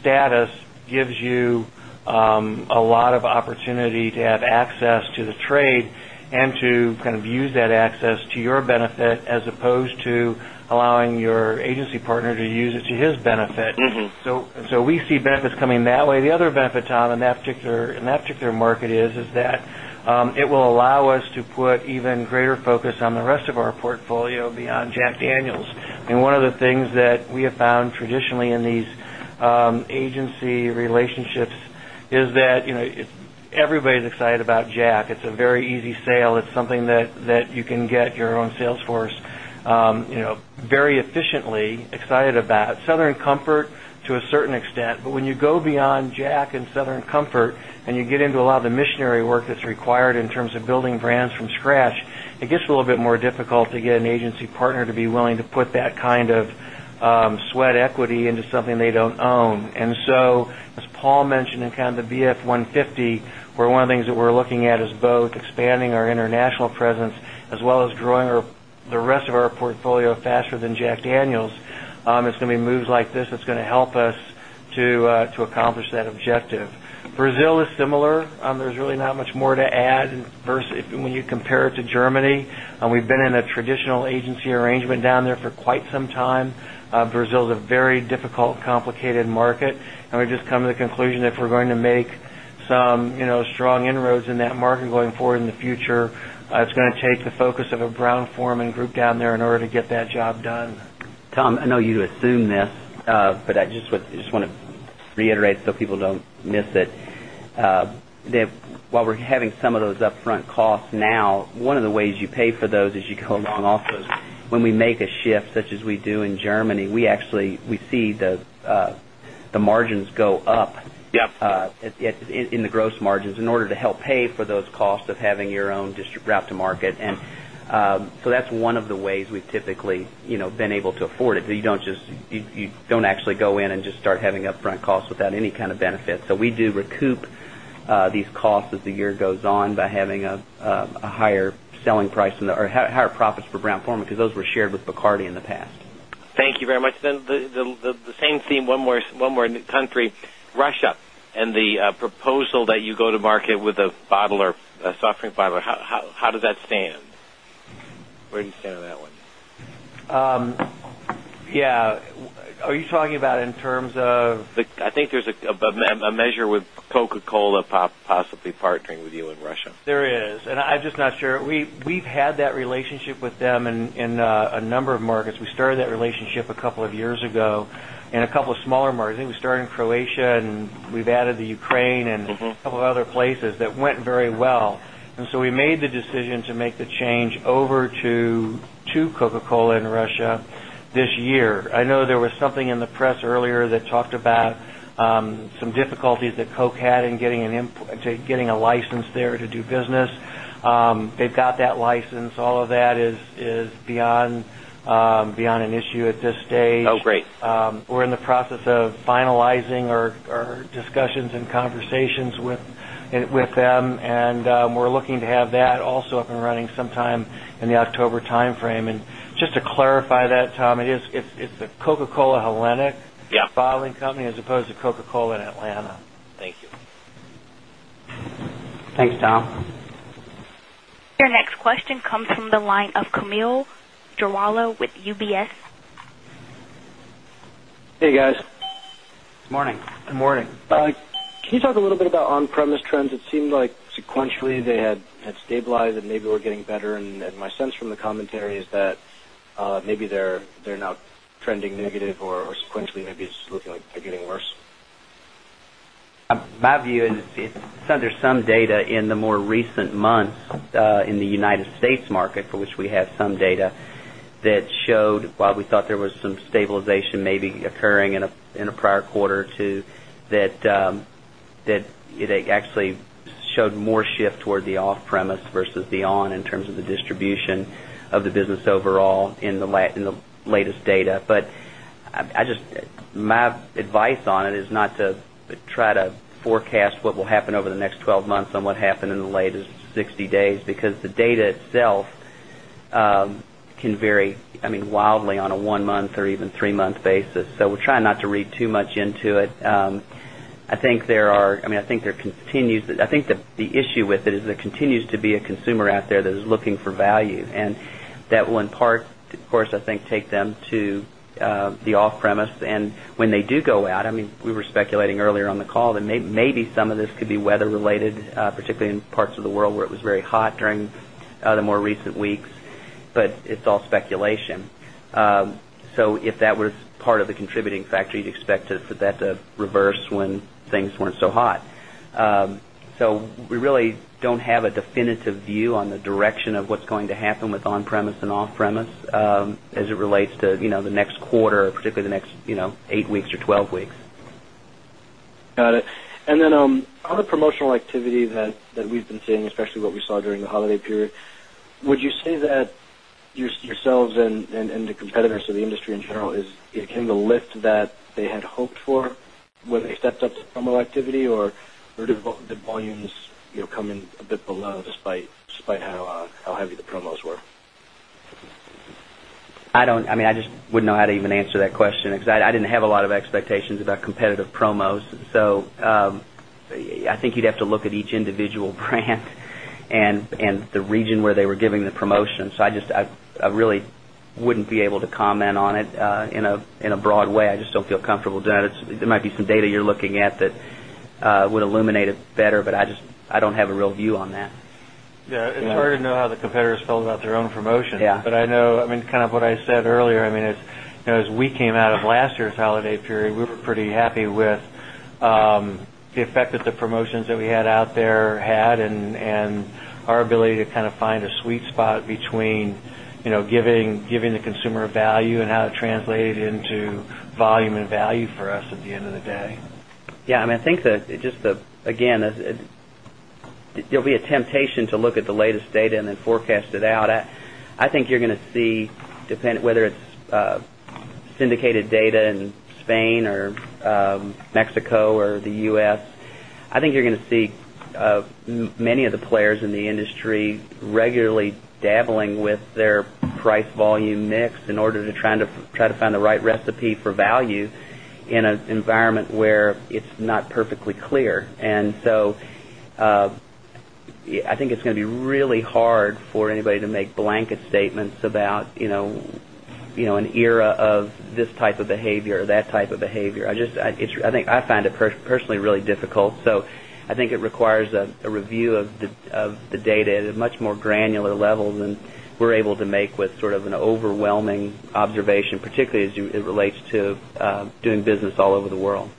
status gives you a lot of opportunity to have access to the trade and to kind of use that access to your benefit as opposed to allowing your agency partner to use it to his benefit. So we see benefits coming that way. The other benefit, Tom, in that particular market is that it will allow us to put even greater focus on the rest of our portfolio beyond Jack Daniels. And one of the things that we have found traditionally in these agency relationships is that everybody is excited about JAK. It's a very easy sale. It's something that you can get your own sales force very efficiently excited about Southern Comfort to a certain extent. But when you go beyond JAK and Southern Comfort and you get into a lot of the missionary work that's required in terms of building brands from scratch, it gets a little bit more difficult to get an agency partner to be willing to put that kind of sweat equity into something they don't own. And so as Paul mentioned in kind of the BF150, where one of the things that we're looking at is both expanding our international presence as well as growing the rest of our portfolio faster than Jack Daniel's. It's going to be moves like this that's going to help us to accomplish that objective. Brazil is similar. There's really not much more to add versus when you compare it to Germany. We've been in strong inroads in that market going forward in the future. It's going to take the focus of a Brown Forman group down there in order to get that job done. Tom, I know you assume this, but I just want to reiterate so people don't miss it. While we're having some of those upfront costs now, one of the ways you pay for those as you go along also is when we make a shift such as we do in Germany, we actually we see the margins go up in the gross margins in order to help pay for those costs of having your own district route to market. And so that's one of the ways we've typically been able to afford it. You don't actually go in and just start having upfront costs without any kind of benefit. So we do recoup these costs as the year goes on by having a higher selling price or higher profits for brown form because those were shared with Bacardi in the past. Thank you very much. Then the same theme, one more country, Russia and the proposal that you go to market with a bottle or a soft drink bottle, how does that stand? Where do you stand on that one? Yes. Are you talking about in terms of? I think there's a measure with Coca Cola possibly partnering with you in Russia. There is. And I'm just not sure. We've had that relationship with them in a number of markets. We started that relationship a couple of years ago and a couple of smaller markets. I think we started in Croatia and we've added the Ukraine and a couple of other places that went very well. And so we made the decision to make the change over to Cola in Russia this year. I know there was something in the press earlier that talked about some difficulties that Coke had in getting a license there to do business. They've got that license. All of that is beyond an issue at this stage. Great. In the process of finalizing our discussions and conversations with them and we're looking to have that also up and running sometime in the October timeframe. And just to clarify that Tom, it is it's the Coca Cola Hellenic bottling company as opposed to Coca Cola in Atlanta. Thank you. Thanks, Tom. Your next question comes from the line of Camille Jarvalo with UBS. Hey, guys. Good morning. Good morning. Can you talk a little bit about on premise trends? It seemed like sequentially they had stabilized and maybe were getting better. And my sense from the commentary is that maybe they're now trending negative or sequentially maybe it's looking like they're getting worse? My view is it's under some data in the more recent months in the United States market for which we have some data that showed while we thought there was some stabilization maybe occurring in a prior quarter to that it actually showed more shift toward the off premise versus the on in terms of the of on it is not to try to forecast what will happen over the next 12 months and what happened in the latest 60 days because the data itself can vary, I mean, wildly on a 1 month or even 3 month basis. So we're trying not to read too much into it. I think there are I mean, I think there continues I think the issue with it is there continues to be a consumer out there that is looking for value. And that will in part, of course, I think take them to the off premise. And when they do go out, I mean, we were speculating earlier on the call that maybe some of this could be weather related, particularly in parts of the world where it was very hot during the more recent weeks, but it's all speculation. So if that was part of the contributing factor, you'd expect for that to reverse when things weren't so hot. So we really don't have a definitive view on the direction of what's going to happen with on premise and off premise as it relates to the next quarter, particularly the next 8 weeks or 12 weeks. Got it. And then on the promotional activity that we've been seeing, especially what we saw during the holiday period, would you say that yourselves and the competitors of the industry in general is it came to lift that they had hoped for when they stepped up to promo activity or do the volumes come in a bit below despite how heavy the promos were? I don't I mean, I just wouldn't know how to even answer that question, because I didn't have a lot of expectations about competitive promos. So I think you'd have to look at each individual brand and the region where they were giving the promotion. So I just I really wouldn't be able to comment on it in a broad way. I just don't feel comfortable, John. There might be some data you're looking at that would illuminate it better, but I just I don't have a real view on that. Yes. It's hard to know how the competitors felt about their own promotion. Yes. But I know I mean kind of what I said earlier, I mean as we came out of last year's holiday period, we were pretty happy with the effect that the promotions that we had out there had and our ability to kind of find a sweet spot between giving the consumer value and how it translated into volume and value for us at the end of the day? Yes. I mean, I think that just again, there'll be a temptation to look at the latest data and forecast it out. I think you're going to see dependent whether it's syndicated data in Spain or Mexico or the U. S, I think you're going to see many of the players in the industry regularly dabbling with their price volume mix in order to try to find the right recipe for value in an environment where it's not perfectly clear. And so I think it's going to be really hard for anybody to make blanket statements about an era of this type of behavior or that type of behavior. I just I think I find it personally really difficult. So I think it requires a review of of the data at a much more granular level than we're able to make with sort of an overwhelming observation, particularly as it relates to doing business all over the world.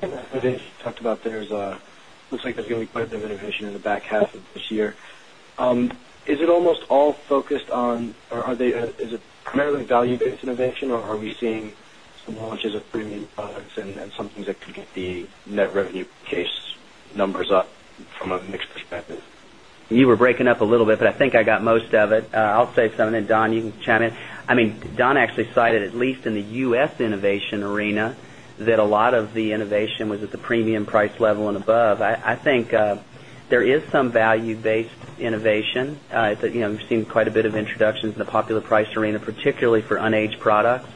And I think you talked about there's a looks like there's going to be quite a bit of innovation in the back half of this year. Is it almost all focused on or are they is it primarily value based innovation? Or are we seeing some launch of premium products and some things that could get the net revenue case numbers up from a mix perspective? You were breaking up a little bit, but I think I got most of it. I'll say something and Don you can chime in. I mean Don actually cited at least in the U. S. Innovation arena that a lot of the innovation was at the premium price level and above. I think there is some value based innovation. We've seen quite a bit of introductions in the popular price arena, particularly for unaged products.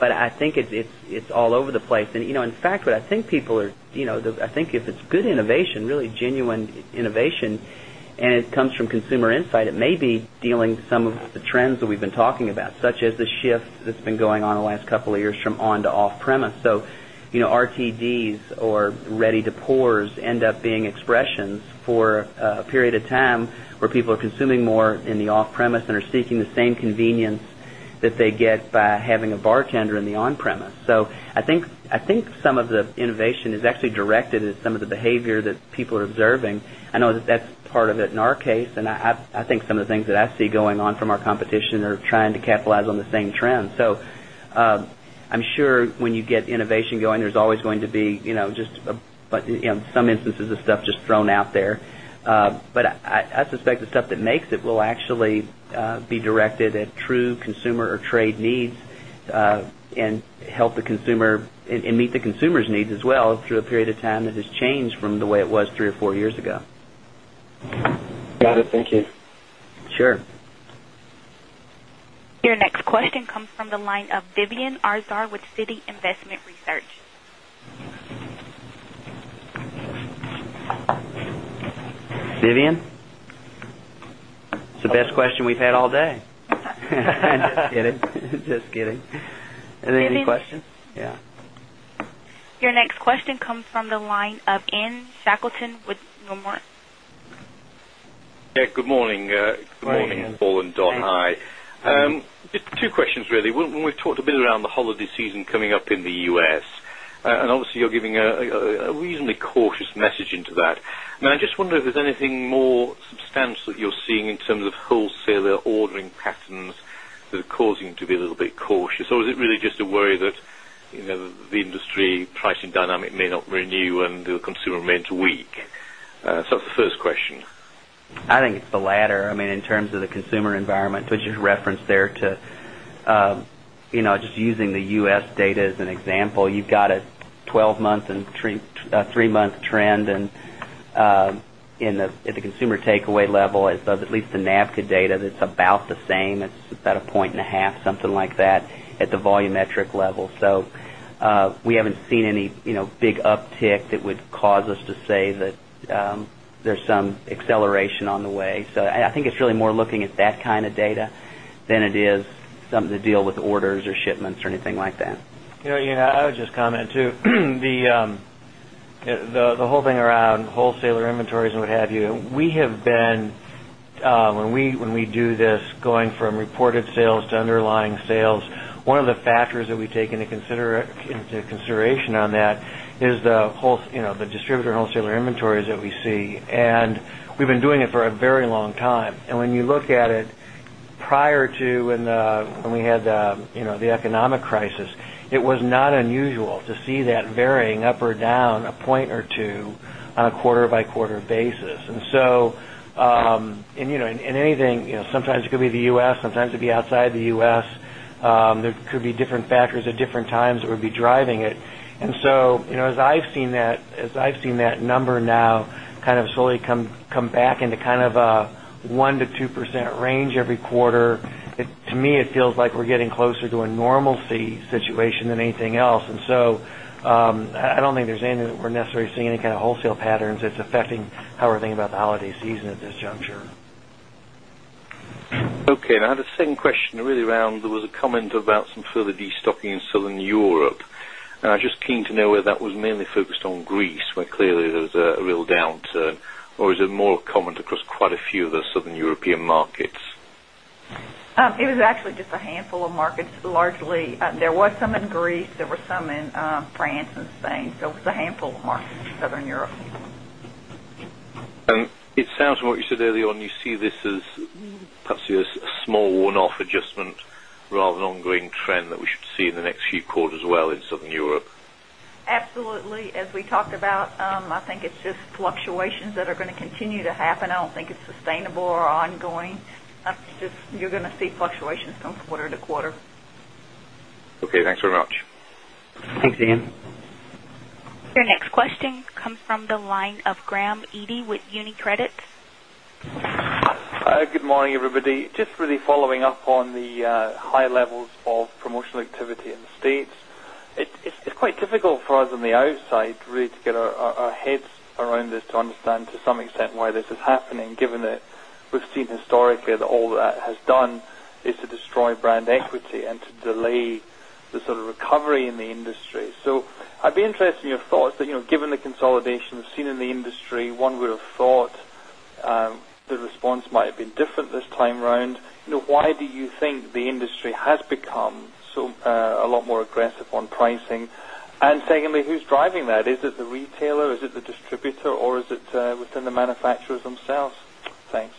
But I think it's all over the place. And in fact, I think people are I think if it's good innovation, really genuine innovation and it comes from consumer insight, it may be dealing some of the trends that we've been talking about, such as the shift that's been going on the last couple of years from on to off premise. So RTDs or ready to pours end up being expressions for a period of time where people are consuming more in the off premise and are seeking the same convenience that they get by having a bartender in the on premise. So I think some of the innovation is actually directed at some of the behavior people are observing. I know that that's part of it in our case and I think some of the things that I see going on from our competition are trying to capitalize on the But I suspect the stuff that makes it will actually, But I suspect the stuff that makes it will actually be directed at true consumer or trade needs and help the consumer and meet the consumer's needs as well through a period of time that has changed from the way it was 3 or 4 years ago. Got it. Thank you. Sure. Your next question comes from the line of Vivien Azar with Citi Investment Research. Vivien? It's the best question we've had all day. Just kidding. Any questions? Your next question comes from the line of Ann Shackleton with Nomura. Yes. Good morning. Good morning, Ian. Good morning, Paul and Don. Hi. Two questions really. When we talked a bit around the holiday season coming up in the U. S, and obviously, you're giving a reasonably cautious message into that. And I just wonder if there's anything more substantial that you're seeing in terms of wholesaler ordering patterns that are causing to be a little bit cautious? Or is it really just a worry that the industry pricing dynamic may not renew and the consumer remains weak? So that's the first question. I think it's the latter. I mean, in terms of the consumer environment, which you referenced there to just using the U. S. Data as an example, you've got a 12 month and 3 month trend and at the consumer takeaway level, at least the NAFTA data that's about the same, it's about 1.5, something like that at the volumetric level. So we haven't seen any big uptick that would cause us to say that there's anything like that. Yes. I would just comment too. The I think anything like that. I would just comment too. The whole thing around wholesaler inventories and what have you, we have been when we do this going from reported sales to underlying sales, one of the factors that we take into consideration on that is the distributor and wholesaler inventories that we see. And we've been doing it for a very long time. And when you look at it prior to when we had the economic crisis, it was not unusual to see that varying up or down a point or 2 on a quarter by quarter basis. And so, in anything, sometimes it could be the U. S, sometimes it could be outside the U. S. There could be different factors at different times that would be driving it. And so, as I've seen that number now kind of slowly come back into kind of a 1% to 2% range every quarter, to me it feels like we're getting closer to a normalcy situation than anything else. And so, I don't think there's any we're necessarily seeing any kind of wholesale patterns that's affecting how we're thinking about the holiday season at this juncture. Okay. And I had a second question really around there was a comment about some further destocking in Southern Europe. And I'm just keen to know whether that was mainly focused on Greece, where clearly there's a real downturn? Or is it more a comment across quite a few of the Southern European markets? It was actually just a handful of markets largely. There was some in Greece, there were some in France and Spain. It's a handful of markets in Southern Europe. And it sounds what you said earlier on, you see this as perhaps a small one off adjustment rather than ongoing trend that we should see in the next few quarters as well in Southern Europe? Absolutely. As we talked about, I think it's just fluctuations that are going to continue to happen. I don't think it's sustainable or ongoing. That's just you're going to see fluctuations come quarter to quarter. Okay. Thanks very much. Thanks, Ian. Your next question comes from the line of Graham Eady with UniCredit. Good morning everybody. Just really following up on the high levels of promotional activity in the States. It's quite difficult for us on the outside really to get our heads around this to some extent why this is happening given that we've seen historically that all that has done is to destroy brand equity and to delay the sort of recovery in the industry. So I'd be interested in your thoughts that given the consolidation seen in the industry, one would have thought the response might have been different this time around. Why do you think the industry has become so a lot more aggressive on pricing? And secondly, who's driving that? Is it the retailer? Is it the distributor? Or is it within the manufacturers themselves? Thanks.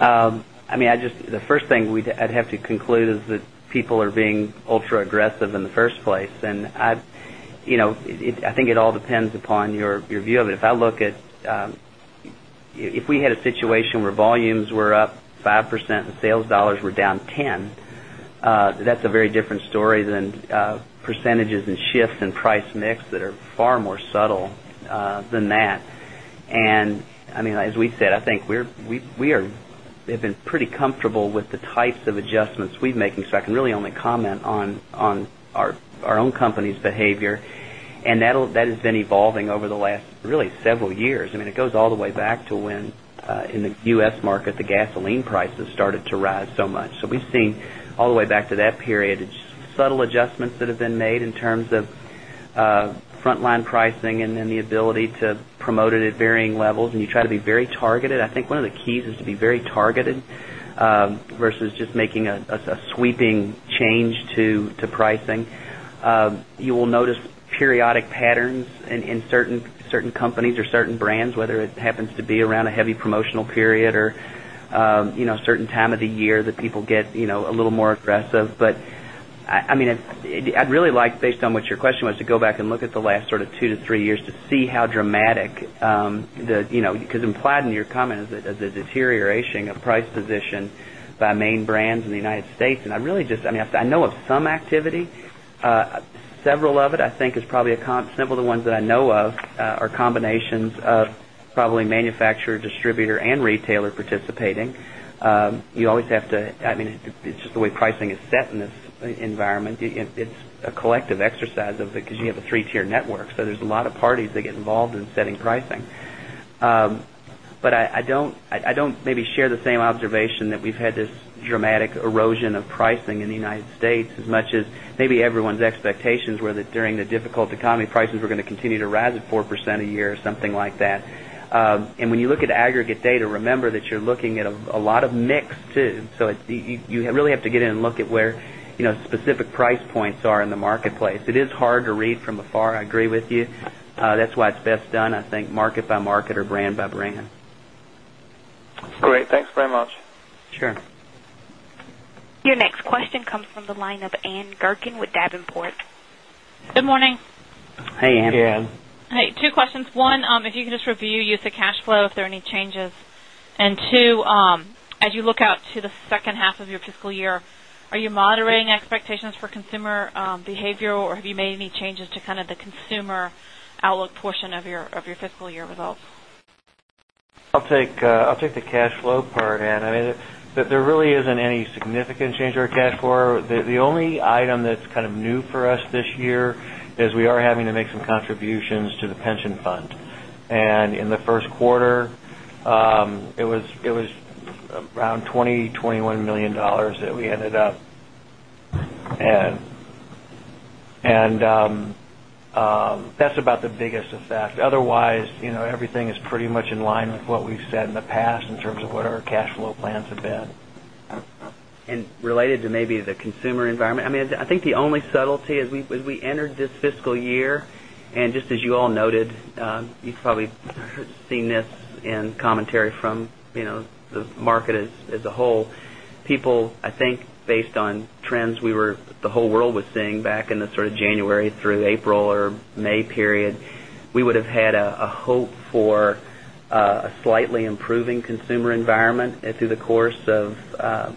I mean, I just the first thing I'd have to conclude is that people are being ultra aggressive in the first place. And I think it all depends upon your view of it. If I look at if we had a situation where volumes were up 5% and sales dollars were down 10%. That's a very different story than percentages and shifts and price mix that are far more subtle than that. And I mean, as we said, I think we are they've been pretty comfortable with the types of adjustments we're making. So I can really only comment on our own company's behavior. And that has been evolving over the last really several years. I mean, it goes all the way back to when in the U. S. Market, the gasoline prices started to rise so much. So we've seen all the way back to that period, subtle adjustments that have been made in terms of frontline pricing and then the ability to promote it at varying levels and you try to be very targeted. I think one of the keys is to be very targeted versus just making a sweeping change to pricing. You will notice periodic patterns in certain companies or certain brands, whether it happens to be around a heavy promotional period or certain time of the year that people get a little more aggressive. But I mean, I'd really like based on what your question was to go back and look at the last sort of 2 to 3 years to see how dramatic that because implied in your comment is that there's a deterioration of price position by main brands in the United States. And I really just I mean, I know some activity, several of it I think is probably a probably manufacturer, distributor and retailer participating. You always have to I mean, it's just the way pricing is set in this environment. It's a collective exercise of it because you have a 3 tier network. So there's a lot of parties that get involved in setting pricing. But I don't maybe share the same observation that we've had this dramatic erosion of pricing in the United States as much as maybe everyone's expectations were that during the difficult economy prices we're going to continue to rise at 4% a year or something like that. And when you look at aggregate data remember that you're looking at a lot of mix too. So you really have to get in and look at where specific price points are in the marketplace. It is hard to read from afar. I agree with you. That's why it's best done I think market by market or brand by brand. Your question comes from the line of Ann Gurkin with Davenport. Good morning. Hi, Ann. Hi, Ann. Hi, two questions. 1, if you can just review use of cash flow, if there are any changes? And 2, as you look out to the second half of your fiscal year, are you moderating expectations for consumer behavior? Or have you made any changes to kind of the consumer outlook portion of your fiscal year results? I'll take the cash flow part, Ann. I mean, there really isn't any significant change to our cash flow. The only item that's kind of new for us this year is we are having to make some contributions to the pension fund. And in the Q1, it was around $20,000,000 $21,000,000 that we ended up. And that's about the biggest effect. Otherwise, everything is pretty much in line with what we've said in the past in terms of what our cash flow plans have been. And related to maybe the consumer environment, I mean, I think the only subtlety as we entered this fiscal year and just as you all noted, you've probably seen this in commentary from the market as a whole. People, I think, based on trends we were the whole world was seeing back in the sort of January through April or May period, we would have had a hope for a slightly improving consumer environment through the course of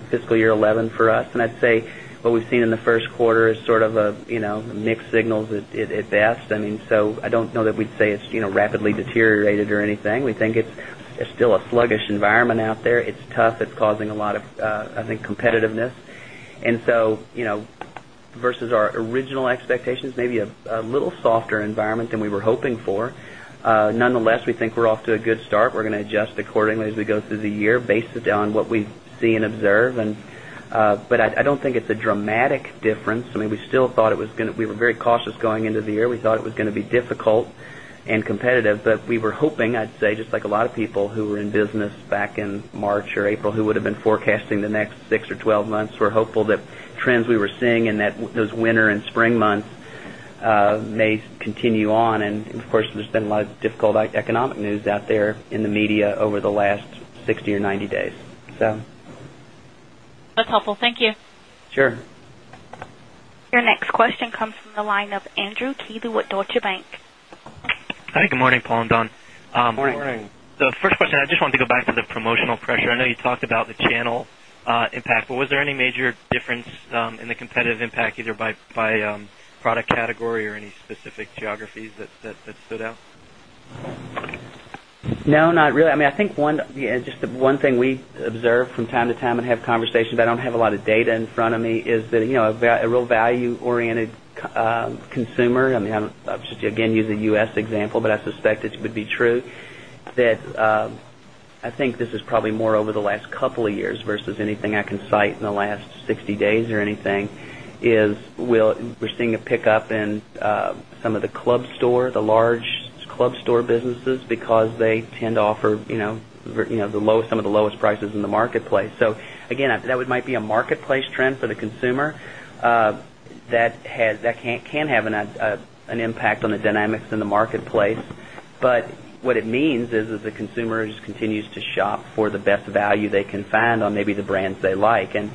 fiscal year 2011 for us. And I'd say what we've seen in the Q1 is sort of a mixed signals at best. I mean, so I don't know that we'd say it's rapidly deteriorated or anything. We think it's still a sluggish environment out there. It's tough. It's causing a lot of, I think, competitiveness. And so versus our original expectations, maybe a little softer environment than we were hoping for. Nonetheless, we think we're off to a good start. We're going to adjust accordingly as we go through the year based on what we see and observe. But I don't think it's a dramatic difference. I mean, we still thought it was going to we were very cautious going into the year. We thought it was going to be difficult and competitive, but we were hoping I'd say just like a lot of people who were in business back in March or April who would have been forecasting the next 6 or 12 months, we're hopeful that trends we were seeing in those winter and spring months may continue on. And of course, there's been a lot of difficult economic news out there in the media over the last 60 or 90 days. That's helpful. Thank you. Sure. Your next question comes from the line of Andrew Keesee with Deutsche Bank. Hi, good morning, Paul and Don. Good morning. The first question, I just want to go back to the promotional pressure. I know you talked about the channel impact, but was there any major difference in the competitive impact either by product category or any specific geographies that stood out? No, not really. I mean, I think one just one thing we observe from time to time and have conversations, but I don't have a lot of data front of me is that a real value oriented consumer, I mean, again use the U. S. Example, but I suspect it would be true that I think this is probably more over the last couple of years versus anything I can cite in the last 60 days or anything is we're club store, the large club store businesses because they tend to offer the low some of the lowest prices in the marketplace. So again, that might be a marketplace trend for the consumer that has that can have an impact on the dynamics in the marketplace. But what it means is as the consumer just continues to shop for the best value they can find on maybe the brands they like. And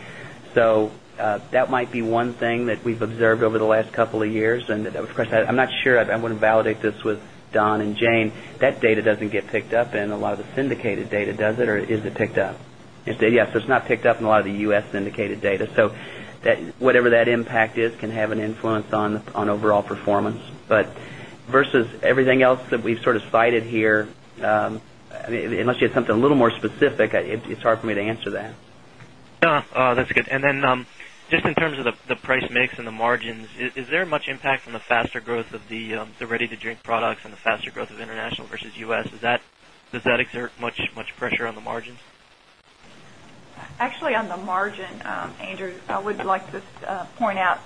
so that might be one thing that we've observed over the last couple of years. And of course, I'm not sure, I wouldn't validate this with Don and Jane that data doesn't get picked up and a lot of the syndicated data does it or is it picked up? Yes, it's not picked up in a lot of the U. S. Syndicated data. So whatever that impact is can have an influence on overall performance. But versus everything else that we've sort of cited here, unless you have something a little more specific, it's hard for me to answer that. That's good. And then just in terms of the price mix and the margins, is there much impact from the faster growth of the ready to drink products and the faster growth of international versus U. S? Does that exert much pressure on the margins? Actually on the margin, Andrew, I would like to point out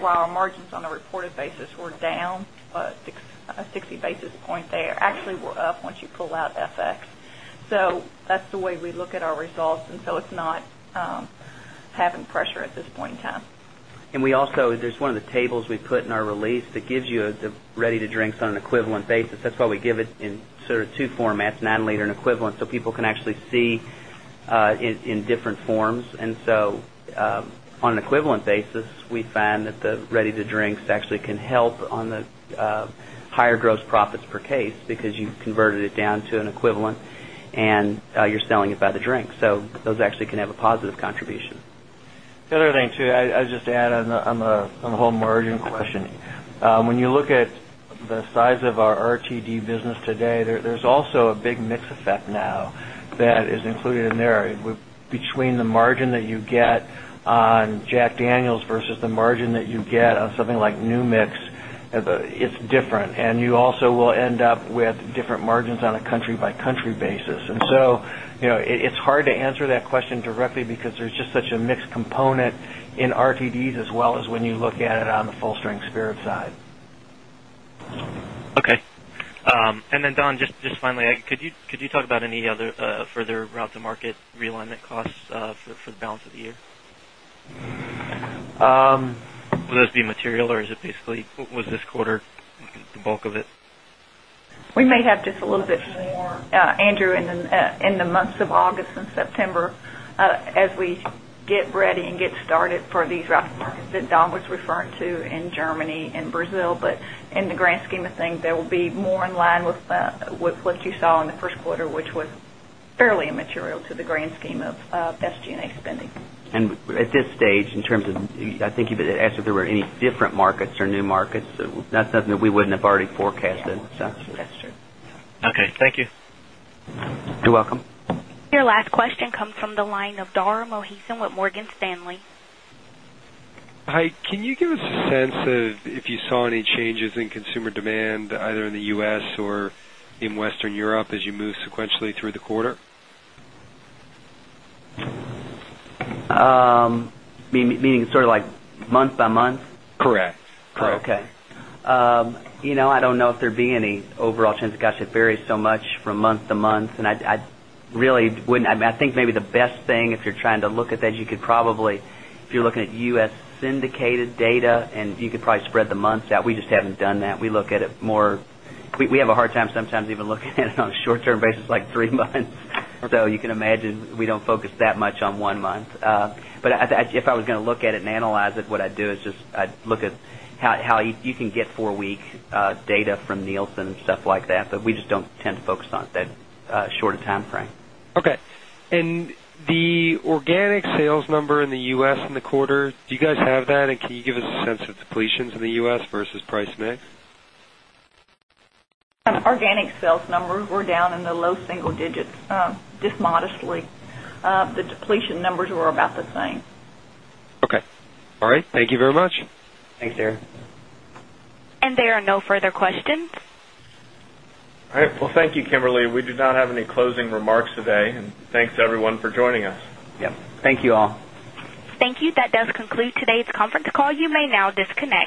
while our margins on a reported basis were down 60 basis And we And we also there's one of the tables we put in our release that gives you the ready to drink on an equivalent basis. That's why we give it in sort of 2 formats, nanoliter and equivalent, so people can actually see in different forms. And so on an equivalent basis, we find that the ready to drink actually can help on the higher gross profits per case because you converted it down to an equivalent and you're selling it the drink. So those actually can have a positive contribution. The other thing too, I'll just add on the whole margin question. When you look at the size of our RTD business today, there's also a big mix effect now that is included in there between the margin that you get on Jack Daniel's versus the margin that you get on something like new mix, it's different. And you also will end up with different margins on a country by country basis. And so it's hard to answer that question directly because there's just such a mixed component in RTDs as well as when you look at it on the full strength spirit side. Okay. And then Don, just finally, could you talk about any other further route to market realignment costs for the balance of the year? Will this be material or is it basically was this quarter the bulk of it? We may have just a little bit more Andrew in the months of August September as we get ready and get started for these rapid markets that Don was referring to in Germany and Brazil. But in the grand scheme of things, they will be more in line with what you saw in the Q1, which was fairly immaterial to the grand scheme of SG and A spending. And at this stage in terms of I think you've asked if there were any different markets or new markets, that's something that we wouldn't have already forecasted. Okay, thank you. You're welcome. Your question comes from the line of Dara Mohsen with Morgan Stanley. Hi. Can you give us a sense of if you saw any changes in consumer demand either in the U. S. Or in Western Europe as you move sequentially through the quarter? Meaning sort of like month by month? Correct. Okay. I don't know if there'd be any overall change, gosh, it varies so much from month to month. And I really wouldn't I think maybe the best thing if you're trying to look at that, you could probably if you're looking at U. S. Syndicated data and you could probably spread the months out, we just haven't done that. We look at it more we have a hard time sometimes even looking at it on a short term basis like 3 months. So you can imagine we don't focus that much on 1 month. But if I was going to look at it and analyze it, what I'd do is just I'd look how you can get 4 week data from Nielsen and stuff like that, but we just don't tend to focus on that shorter timeframe. Okay. And the organic sales number in the U. S. In the quarter, do you guys have that? And can you give us a sense of depletions in the U. S. Versus price mix? Organic sales numbers were down in the low single digits, just modestly. The depletion numbers were about the same. Okay. All right. Thank you very much. Thanks, Darren. And there are no further questions. All right. Well, thank you, Kimberly. We do not have any closing remarks today. And thanks everyone for joining us. Yes. Thank you all. Thank you. That does conclude today's conference call. You may now disconnect.